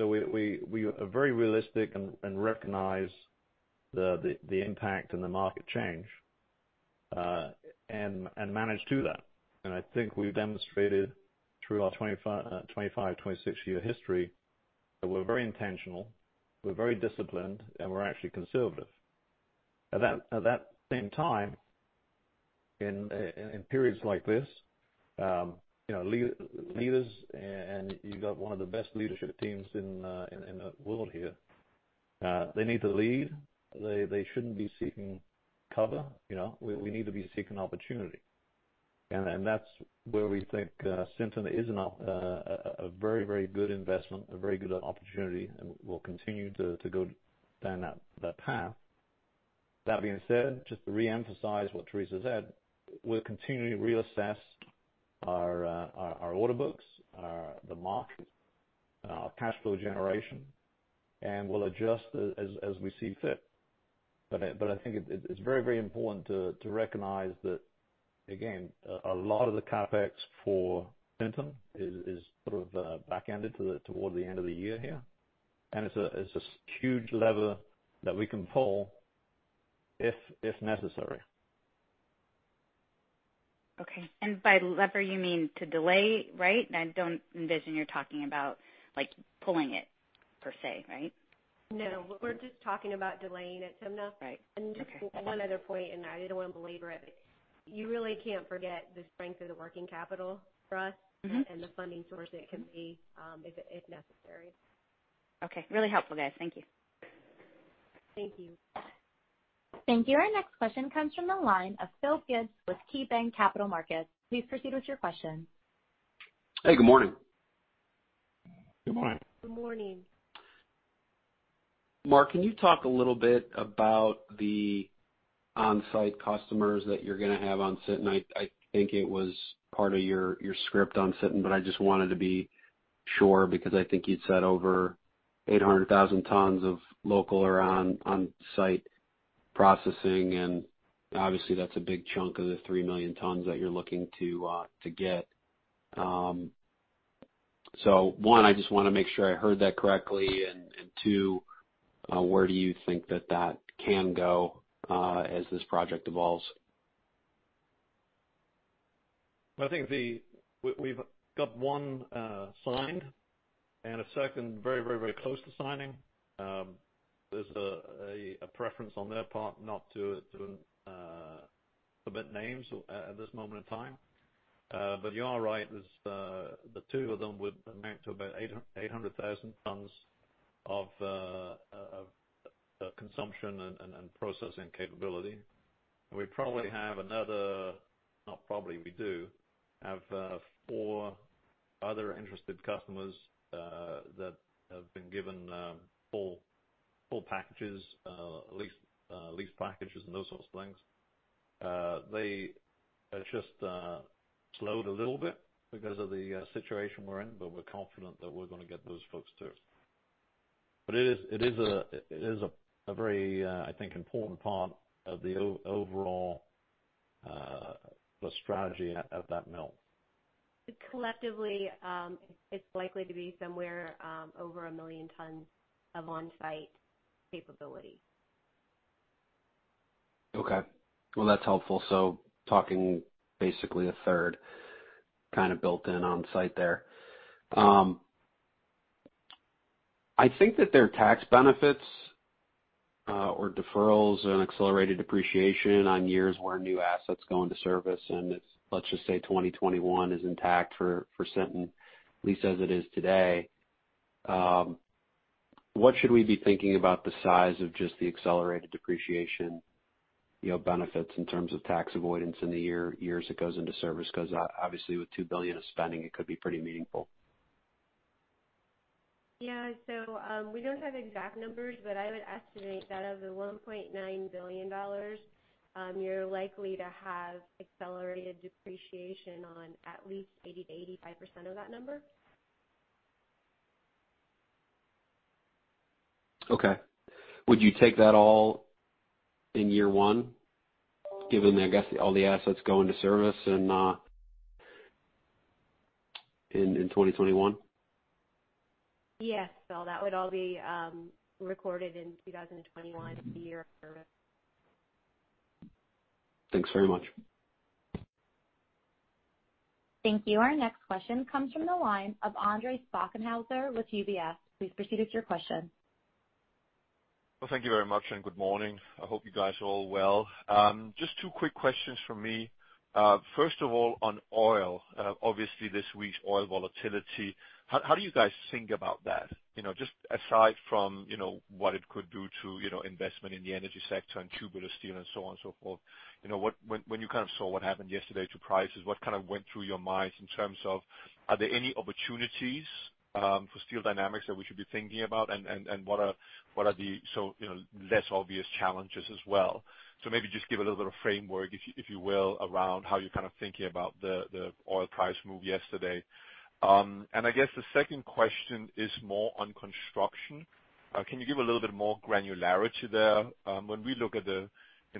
We are very realistic and recognize the impact and the market change and manage to that. I think we've demonstrated through our 25, 26-year history that we're very intentional, we're very disciplined, and we're actually conservative. At that same time, in periods like this, leaders, and you've got one of the best leadership teams in the world here, they need to lead. They shouldn't be seeking cover. We need to be seeking opportunity. And that's where we think Sinton is a very, very good investment, a very good opportunity, and we'll continue to go down that path. That being said, just to reemphasize what Tricia said, we'll continue to reassess our order books, the market, our cash flow generation, and we'll adjust as we see fit. But I think it's very, very important to recognize that, again, a lot of the CapEx for Sinton is sort of back-loaded toward the end of the year here. And it's a huge lever that we can pull if necessary.
Okay. And by lever, you mean to delay, right? I don't envision you're talking about pulling it per se, right?
No. We're just talking about delaying it, Timna. And just one other point, and I didn't want to belabor it. You really can't forget the strength of the working capital for us and the funding source it can be if necessary.
Okay. Really helpful, guys. Thank you.
Thank you.
Thank you. Our next question comes from the line of Phil Gibbs with KeyBank Capital Markets. Please proceed with your question.
Hey, good morning.
Good morning.
Good morning.
Mark, can you talk a little bit about the on-site customers that you're going to have on Sinton? I think it was part of your script on Sinton, but I just wanted to be sure because I think you'd said over 800,000 tons of local or on-site processing. And obviously, that's a big chunk of the three million tons that you're looking to get. So one, I just want to make sure I heard that correctly. And two, where do you think that that can go as this project evolves?
I think we've got one signed and a second very, very, very close to signing. There's a preference on their part not to submit names at this moment in time. But you're right, the two of them would amount to about 800,000 tons of consumption and processing capability. And we probably have another, not probably, we do have four other interested customers that have been given full packages, lease packages, and those sorts of things. They just slowed a little bit because of the situation we're in, but we're confident that we're going to get those folks too. But it is a very, I think, important part of the overall strategy at that mill.
Collectively, it's likely to be somewhere over a million tons of on-site capability.
Okay. Well, that's helpful. So talking basically a third kind of built-in on-site there. I think that their tax benefits or deferrals and accelerated depreciation on years where new assets go into service, and let's just say 2021 is intact for Sinton, at least as it is today. What should we be thinking about the size of just the accelerated depreciation benefits in terms of tax avoidance in the years it goes into service? Because obviously, with $2 billion of spending, it could be pretty meaningful.
Yeah. So we don't have exact numbers, but I would estimate that of the $1.9 billion, you're likely to have accelerated depreciation on at least 80%-85% of that number.
Okay. Would you take that all in year one, given, I guess, all the assets go into service in 2021?
Yes, Phil. That would all be recorded in 2021, year of service.
Thanks very much.
Thank you. Our next question comes from the line of Andreas Bokkenheuser with UBS. Please proceed with your question.
Well, thank you very much and good morning. I hope you guys are all well. Just two quick questions for me. First of all, on oil, obviously, this week's oil volatility, how do you guys think about that? Just aside from what it could do to investment in the energy sector and tubular steel and so on and so forth, when you kind of saw what happened yesterday to prices, what kind of went through your minds in terms of, are there any opportunities for Steel Dynamics that we should be thinking about? And what are the less obvious challenges as well? So maybe just give a little bit of framework, if you will, around how you're kind of thinking about the oil price move yesterday. And I guess the second question is more on construction. Can you give a little bit more granularity there? When we look at the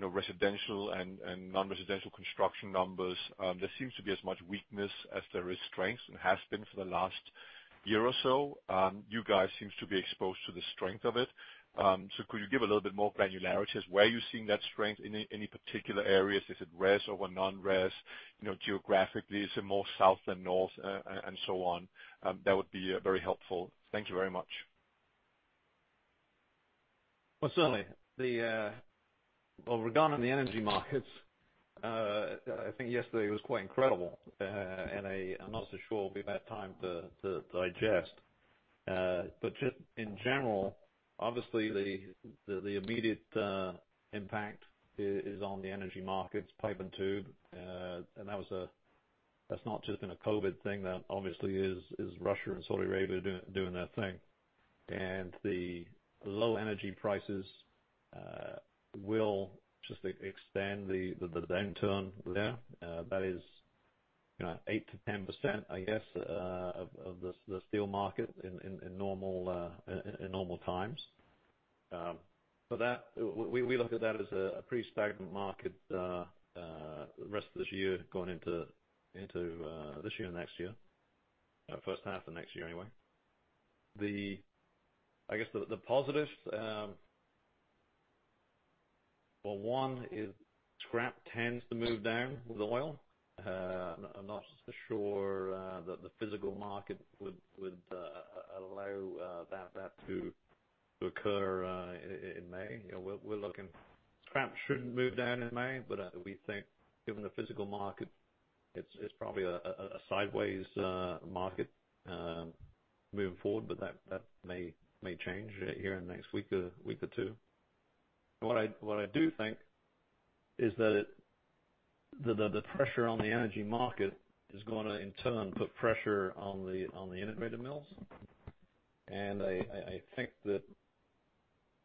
residential and non-residential construction numbers, there seems to be as much weakness as there is strength and has been for the last year or so. You guys seem to be exposed to the strength of it. So could you give a little bit more granularity as where you're seeing that strength in any particular areas? Is it res or non-res? Geographically, is it more south than north and so on? That would be very helpful. Thank you very much.
Certainly. Regarding the energy markets, I think yesterday was quite incredible. I'm not so sure we'll have time to digest. But just in general, obviously, the immediate impact is on the energy markets, pipe and tube. That's not just been a COVID thing. That obviously is Russia and Saudi Arabia doing their thing. The low energy prices will just extend the downturn there. That is 8%-10%, I guess, of the steel market in normal times. We look at that as a pretty stagnant market the rest of this year going into this year and next year, first half of next year anyway. I guess the positives, one is scrap tends to move down with oil. I'm not so sure that the physical market would allow that to occur in May. Scrap shouldn't move down in May, but we think, given the physical market, it's probably a sideways market moving forward, but that may change here in the next week or two. What I do think is that the pressure on the energy market is going to, in turn, put pressure on the integrated mills. And I think that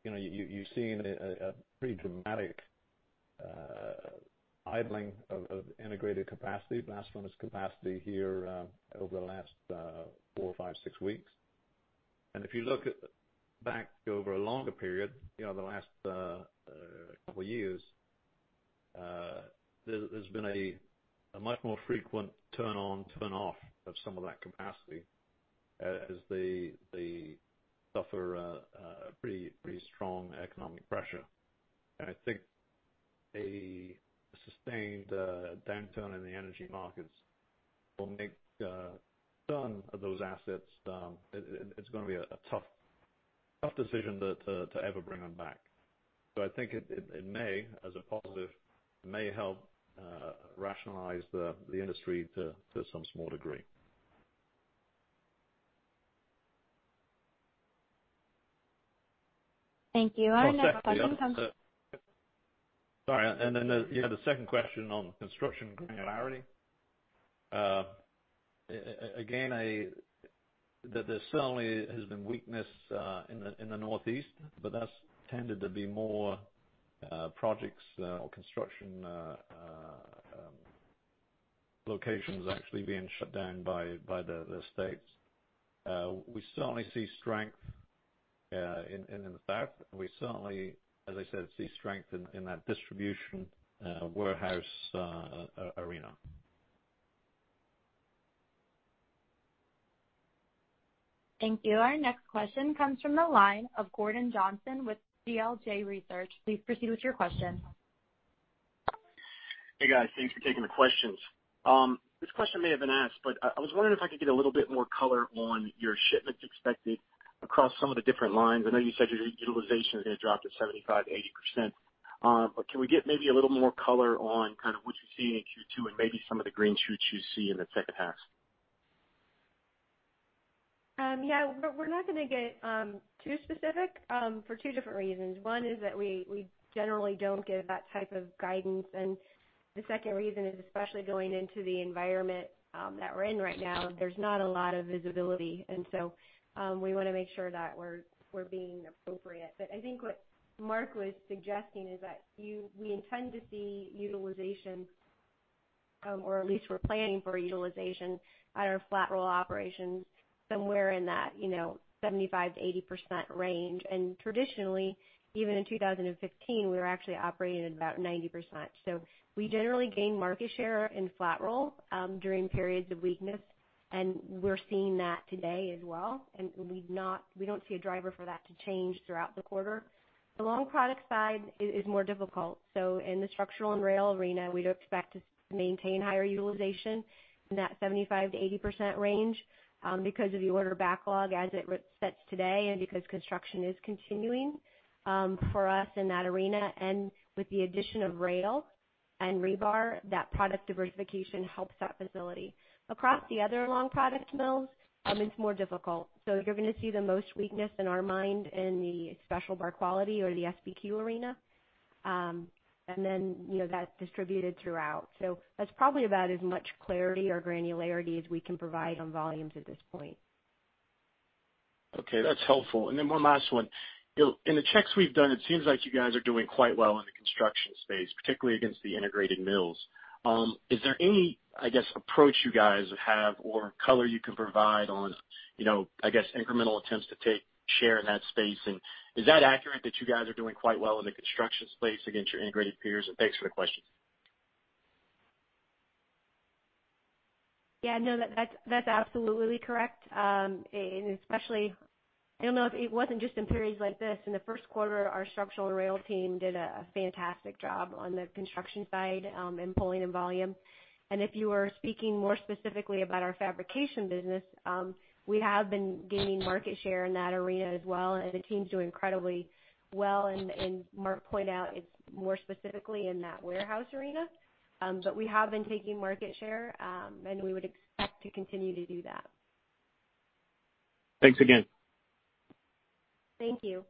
you've seen a pretty dramatic idling of integrated capacity, last-minute capacity here over the last four, five, six weeks. And if you look back over a longer period, the last couple of years, there's been a much more frequent turn-on, turn-off of some of that capacity as they suffer pretty strong economic pressure. And I think a sustained downturn in the energy markets will make some of those assets, it's going to be a tough decision to ever bring them back. So I think it may, as a positive, may help rationalize the industry to some small degree.
Thank you. Our next question comes from.
Sorry. And then the second question on construction granularity. Again, there certainly has been weakness in the Northeast, but that's tended to be more projects or construction locations actually being shut down by the states. We certainly see strength in the South. We certainly, as I said, see strength in that distribution warehouse arena.
Thank you. Our next question comes from the line of Gordon Johnson with GLJ Research. Please proceed with your question.
Hey, guys. Thanks for taking the questions. This question may have been asked, but I was wondering if I could get a little bit more color on your shipments expected across some of the different lines. I know you said your utilization is going to drop to 75%-80%. But can we get maybe a little more color on kind of what you see in Q2 and maybe some of the green shoots you see in the second half?
Yeah. We're not going to get too specific for two different reasons. One is that we generally don't get that type of guidance. And the second reason is, especially going into the environment that we're in right now, there's not a lot of visibility. And so we want to make sure that we're being appropriate. But I think what Mark was suggesting is that we intend to see utilization, or at least we're planning for utilization at our flat roll operations somewhere in that 75%-80% range. And traditionally, even in 2015, we were actually operating at about 90%. So we generally gain market share in flat roll during periods of weakness. And we're seeing that today as well. And we don't see a driver for that to change throughout the quarter. The long product side is more difficult. So in the Structural and Rail arena, we do expect to maintain higher utilization in that 75%-80% range because of the order backlog as it sets today and because construction is continuing for us in that arena. And with the addition of rail and rebar, that product diversification helps that facility. Across the other long product mills, it's more difficult. So you're going to see the most weakness in our mind in the special bar quality or the SBQ arena. And then that's distributed throughout. So that's probably about as much clarity or granularity as we can provide on volumes at this point.
Okay. That's helpful. And then one last one. In the checks we've done, it seems like you guys are doing quite well in the construction space, particularly against the integrated mills. Is there any, I guess, approach you guys have or color you can provide on, I guess, incremental attempts to take share in that space? And is that accurate that you guys are doing quite well in the construction space against your integrated peers? And thanks for the question.
Yeah. No, that's absolutely correct. And especially, I don't know if it wasn't just in periods like this. In the Q1, our Structural and Rail team did a fantastic job on the construction side in pulling in volume. And if you were speaking more specifically about our fabrication business, we have been gaining market share in that arena as well. And the teams do incredibly well. And Mark pointed out it's more specifically in that warehouse arena. But we have been taking market share, and we would expect to continue to do that.
Thanks again.
Thank you.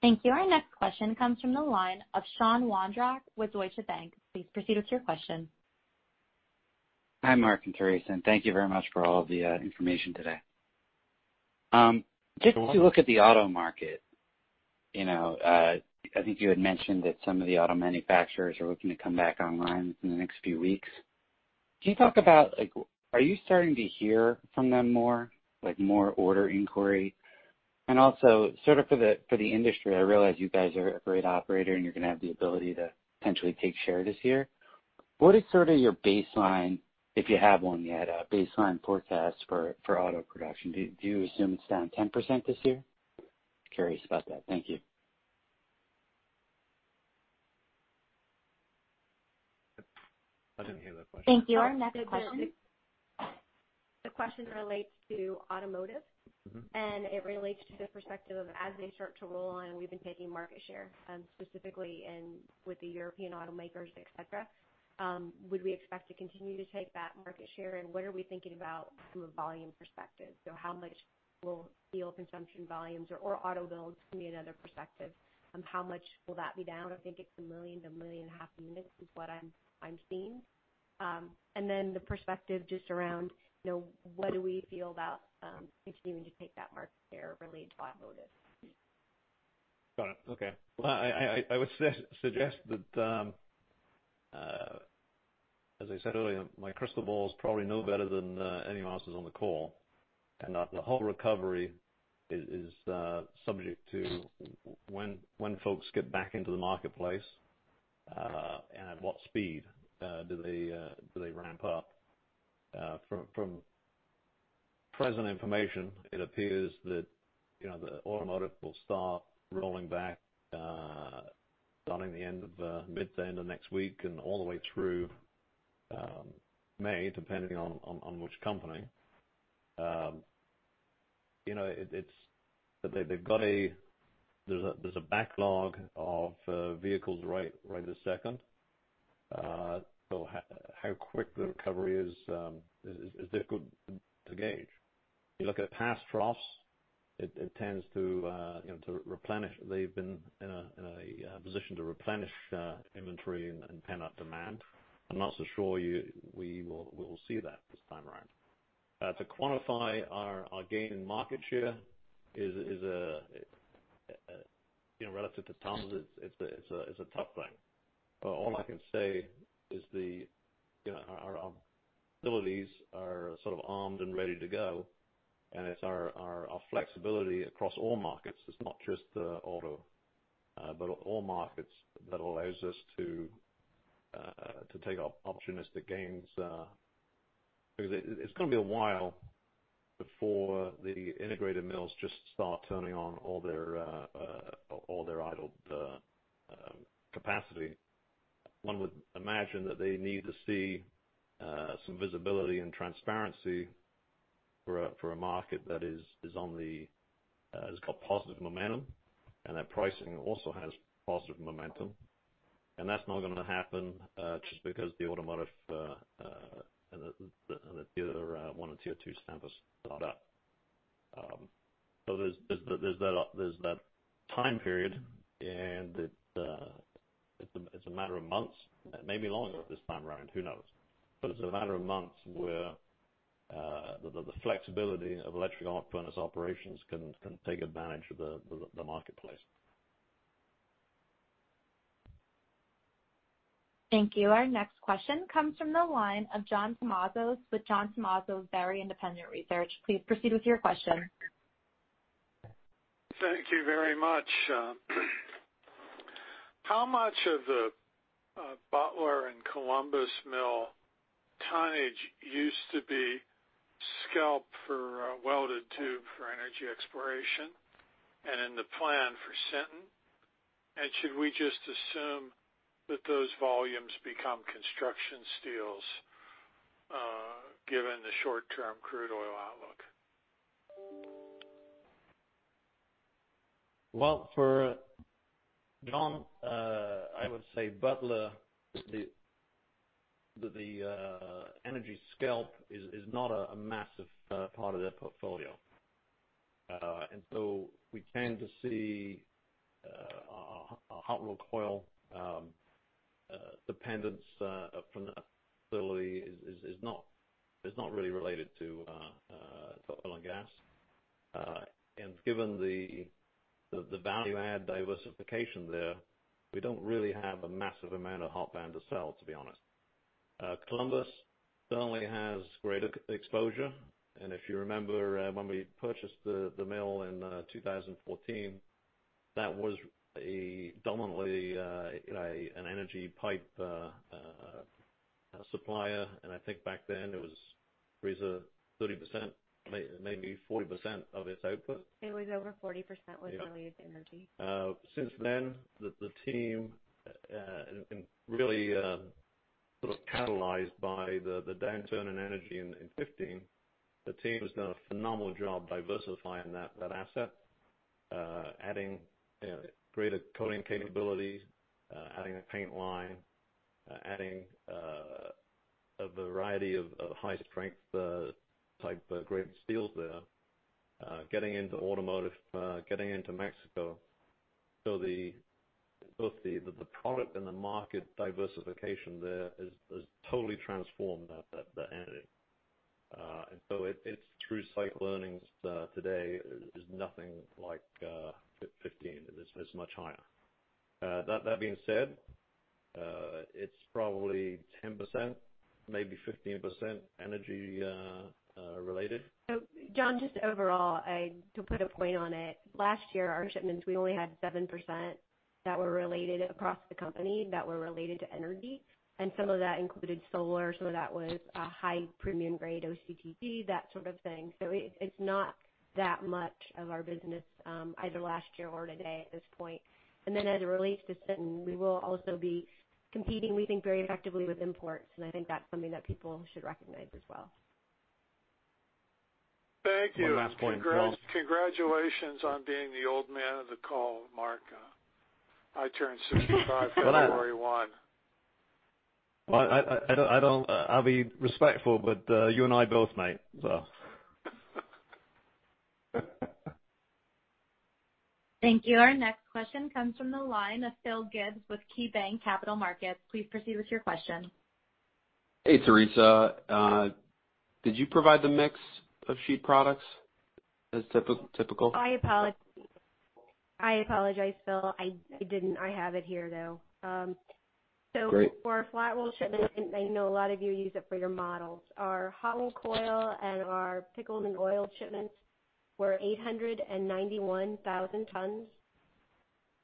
Thank you. Our next question comes from the line of Sean Wondrach with Deutsche Bank. Please proceed with your question.
Hi, Mark and Tricia. And thank you very much for all the information today. Just to look at the auto market, I think you had mentioned that some of the auto manufacturers are looking to come back online in the next few weeks. Can you talk about, are you starting to hear from them more, like more order inquiry? And also, sort of for the industry, I realize you guys are a great operator and you're going to have the ability to potentially take share this year. What is sort of your baseline, if you have one yet, baseline forecast for auto production? Do you assume it's down 10% this year? Curious about that. Thank you.
I didn't hear the question.
Thank you. Our next question.
The question relates to automotive, and it relates to the perspective of, as they start to roll on, we've been taking market share, specifically with the European automakers, et cetera. Would we expect to continue to take that market share, and what are we thinking about from a volume perspective, so how much will steel consumption volumes or auto builds be another perspective? How much will that be down? I think it's 1 million-1.5 million units is what I'm seeing, and then the perspective just around, what do we feel about continuing to take that market share related to automotive?
Got it. Okay. Well, I would suggest that, as I said earlier, my crystal ball is probably no better than anyone else's on the call. And the whole recovery is subject to when folks get back into the marketplace and at what speed do they ramp up. From present information, it appears that the automotive will start rolling back starting the end of mid to end of next week and all the way through May, depending on which company. There's a backlog of vehicles right this second. So how quick the recovery is, it's difficult to gauge. You look at past troughs, it tends to replenish. They've been in a position to replenish inventory and pick up demand. I'm not so sure we will see that this time around. To quantify our gain in market share relative to times, it's a tough thing. But all I can say is our abilities are sort of armed and ready to go. And it's our flexibility across all markets. It's not just auto, but all markets that allows us to take our opportunistic gains. Because it's going to be a while before the integrated mills just start turning on all their idled capacity. One would imagine that they need to see some visibility and transparency for a market that is on the up and has got positive momentum and that pricing also has positive momentum. And that's not going to happen just because the automotive and the other one and two stamping has not ramped up. So there's that time period, and it's a matter of months. It may be longer this time around. Who knows? But it's a matter of months where the flexibility of electric arc furnace operations can take advantage of the marketplace.
Thank you. Our next question comes from the line of John Tumazos with John Tumazos Very Independent Research. Please proceed with your question.
Thank you very much. How much of the Butler and Columbus mill tonnage used to be scalped for welded tube for energy exploration and in the plan for Sinton? And should we just assume that those volumes become construction steels given the short-term crude oil outlook?
For John, I would say Butler, the energy slab is not a massive part of their portfolio. We tend to see hot-rolled coil dependence from that facility is not really related to oil and gas. Given the value-add diversification there, we don't really have a massive amount of hot band to sell, to be honest. Columbus certainly has greater exposure. If you remember when we purchased the mill in 2014, that was dominantly an energy pipe supplier. I think back then it was 30%, maybe 40% of its output.
It was over 40% with related energy.
Since then, the team, and really sort of catalyzed by the downturn in energy in 2015, the team has done a phenomenal job diversifying that asset, adding greater coating capabilities, adding a paint line, adding a variety of high-strength type great steels there, getting into automotive, getting into Mexico. So both the product and the market diversification there has totally transformed that energy. And so it's through site learnings today, there's nothing like 2015. It's much higher. That being said, it's probably 10%, maybe 15% energy related.
So John, just overall, to put a point on it, last year, our shipments, we only had 7% that were related across the company that were related to energy. And some of that included solar. Some of that was high premium grade OCTG, that sort of thing. So it's not that much of our business either last year or today at this point. And then as it relates to Sinton, we will also be competing, we think, very effectively with imports. And I think that's something that people should recognize as well.
Thank you. Congratulations on being the old man of the call, Mark. I turned 65 February 1 2020.
I'll be respectful, but you and I both mate, so.
Thank you. Our next question comes from the line of Phil Gibbs with KeyBank Capital Markets. Please proceed with your question.
Hey, Tricia. Did you provide the mix of sheet products as typical?
I apologize, Phil. I didn't. I have it here, though. So for flat roll shipments, I know a lot of you use it for your models. Our hot-rolled coil and our pickled and oiled shipments were 891,000 tons.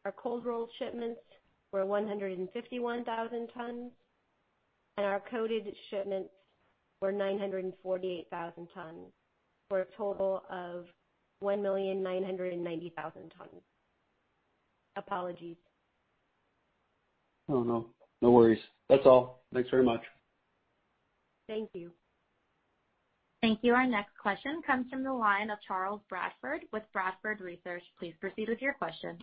Our cold-roll shipments were 151,000 tons. And our coated shipments were 948,000 tons for a total of 1,990,000 tons. Apologies.
Oh, no. No worries. That's all. Thanks very much.
Thank you.
Thank you. Our next question comes from the line of Charles Bradford with Bradford Research. Please proceed with your question.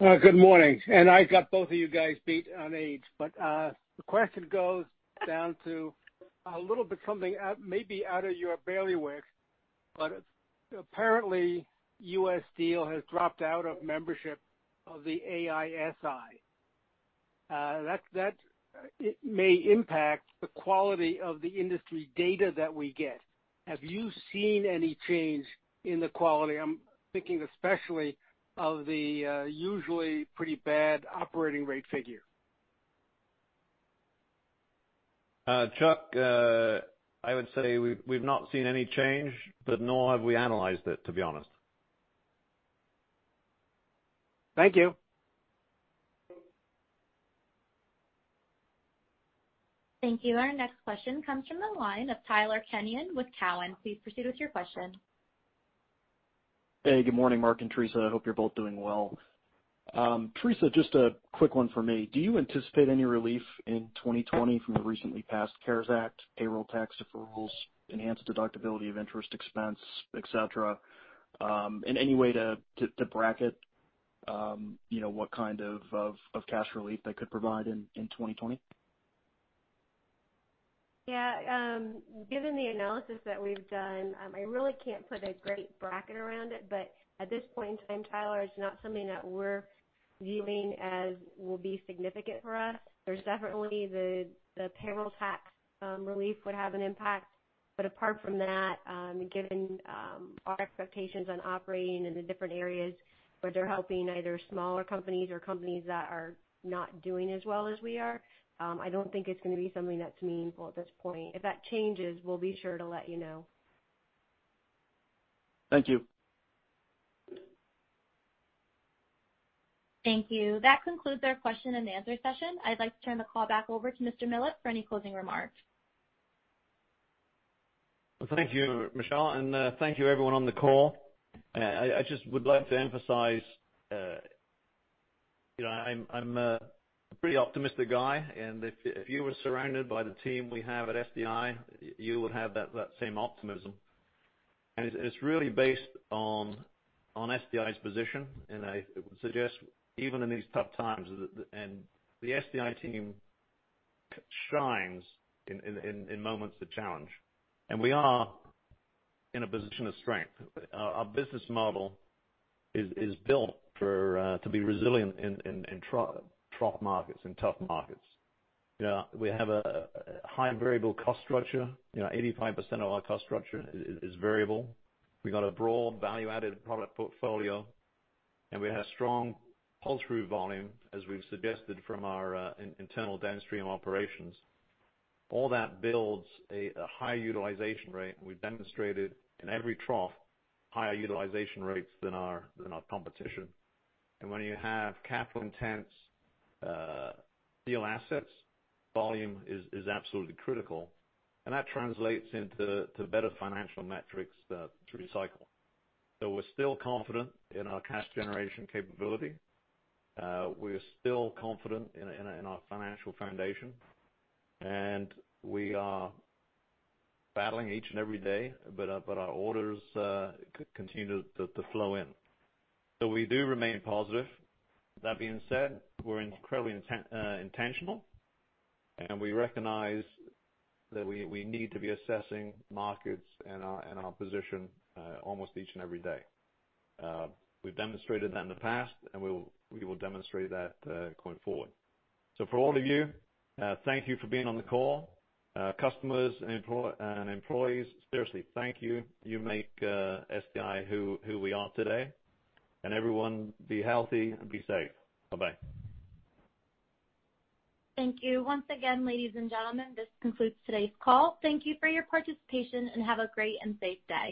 Good morning. And I got both of you guys beat on age. But the question goes down to a little bit something maybe out of your bailiwick. But apparently, U.S. Steel has dropped out of membership of the AISI. That may impact the quality of the industry data that we get. Have you seen any change in the quality? I'm thinking especially of the usually pretty bad operating rate figure.
Chuck, I would say we've not seen any change, but nor have we analyzed it, to be honest.
Thank you.
Thank you. Our next question comes from the line of Tyler Kenyon with Cowen. Please proceed with your question.
Hey, good morning, Mark and Tricia. I hope you're both doing well. Tricia, just a quick one for me. Do you anticipate any relief in 2020 from the recently passed CARES Act, payroll tax deferrals, enhanced deductibility of interest expense, etc., in any way to bracket what kind of cash relief they could provide in 2020?
Yeah. Given the analysis that we've done, I really can't put a great bracket around it. But at this point in time, Tyler, it's not something that we're viewing as will be significant for us. There's definitely the payroll tax relief would have an impact. But apart from that, given our expectations on operating in the different areas where they're helping either smaller companies or companies that are not doing as well as we are, I don't think it's going to be something that's meaningful at this point. If that changes, we'll be sure to let you know.
Thank you.
Thank you. That concludes our question and answer session. I'd like to turn the call back over to Mr. Millett for any closing remarks.
Well, thank you, Michelle. And thank you, everyone on the call. I just would like to emphasize I'm a pretty optimistic guy. And if you were surrounded by the team we have at SDI, you would have that same optimism. And it's really based on SDI's position. And I would suggest even in these tough times, and the SDI team shines in moments of challenge. And we are in a position of strength. Our business model is built to be resilient in trough markets and tough markets. We have a high variable cost structure. 85% of our cost structure is variable. We've got a broad value-added product portfolio. And we have strong pull-through volume, as we've suggested from our internal downstream operations. All that builds a high utilization rate. We've demonstrated in every trough, higher utilization rates than our competition. And when you have capital-intense steel assets, volume is absolutely critical. And that translates into better financial metrics through the cycle. So we're still confident in our cash generation capability. We're still confident in our financial foundation. And we are battling each and every day, but our orders continue to flow in. So we do remain positive. That being said, we're incredibly intentional. And we recognize that we need to be assessing markets and our position almost each and every day. We've demonstrated that in the past, and we will demonstrate that going forward. So for all of you, thank you for being on the call. Customers and employees, seriously, thank you. You make SDI who we are today. And everyone, be healthy and be safe. Bye-bye.
Thank you. Once again, ladies and gentlemen, this concludes today's call. Thank you for your participation and have a great and safe day.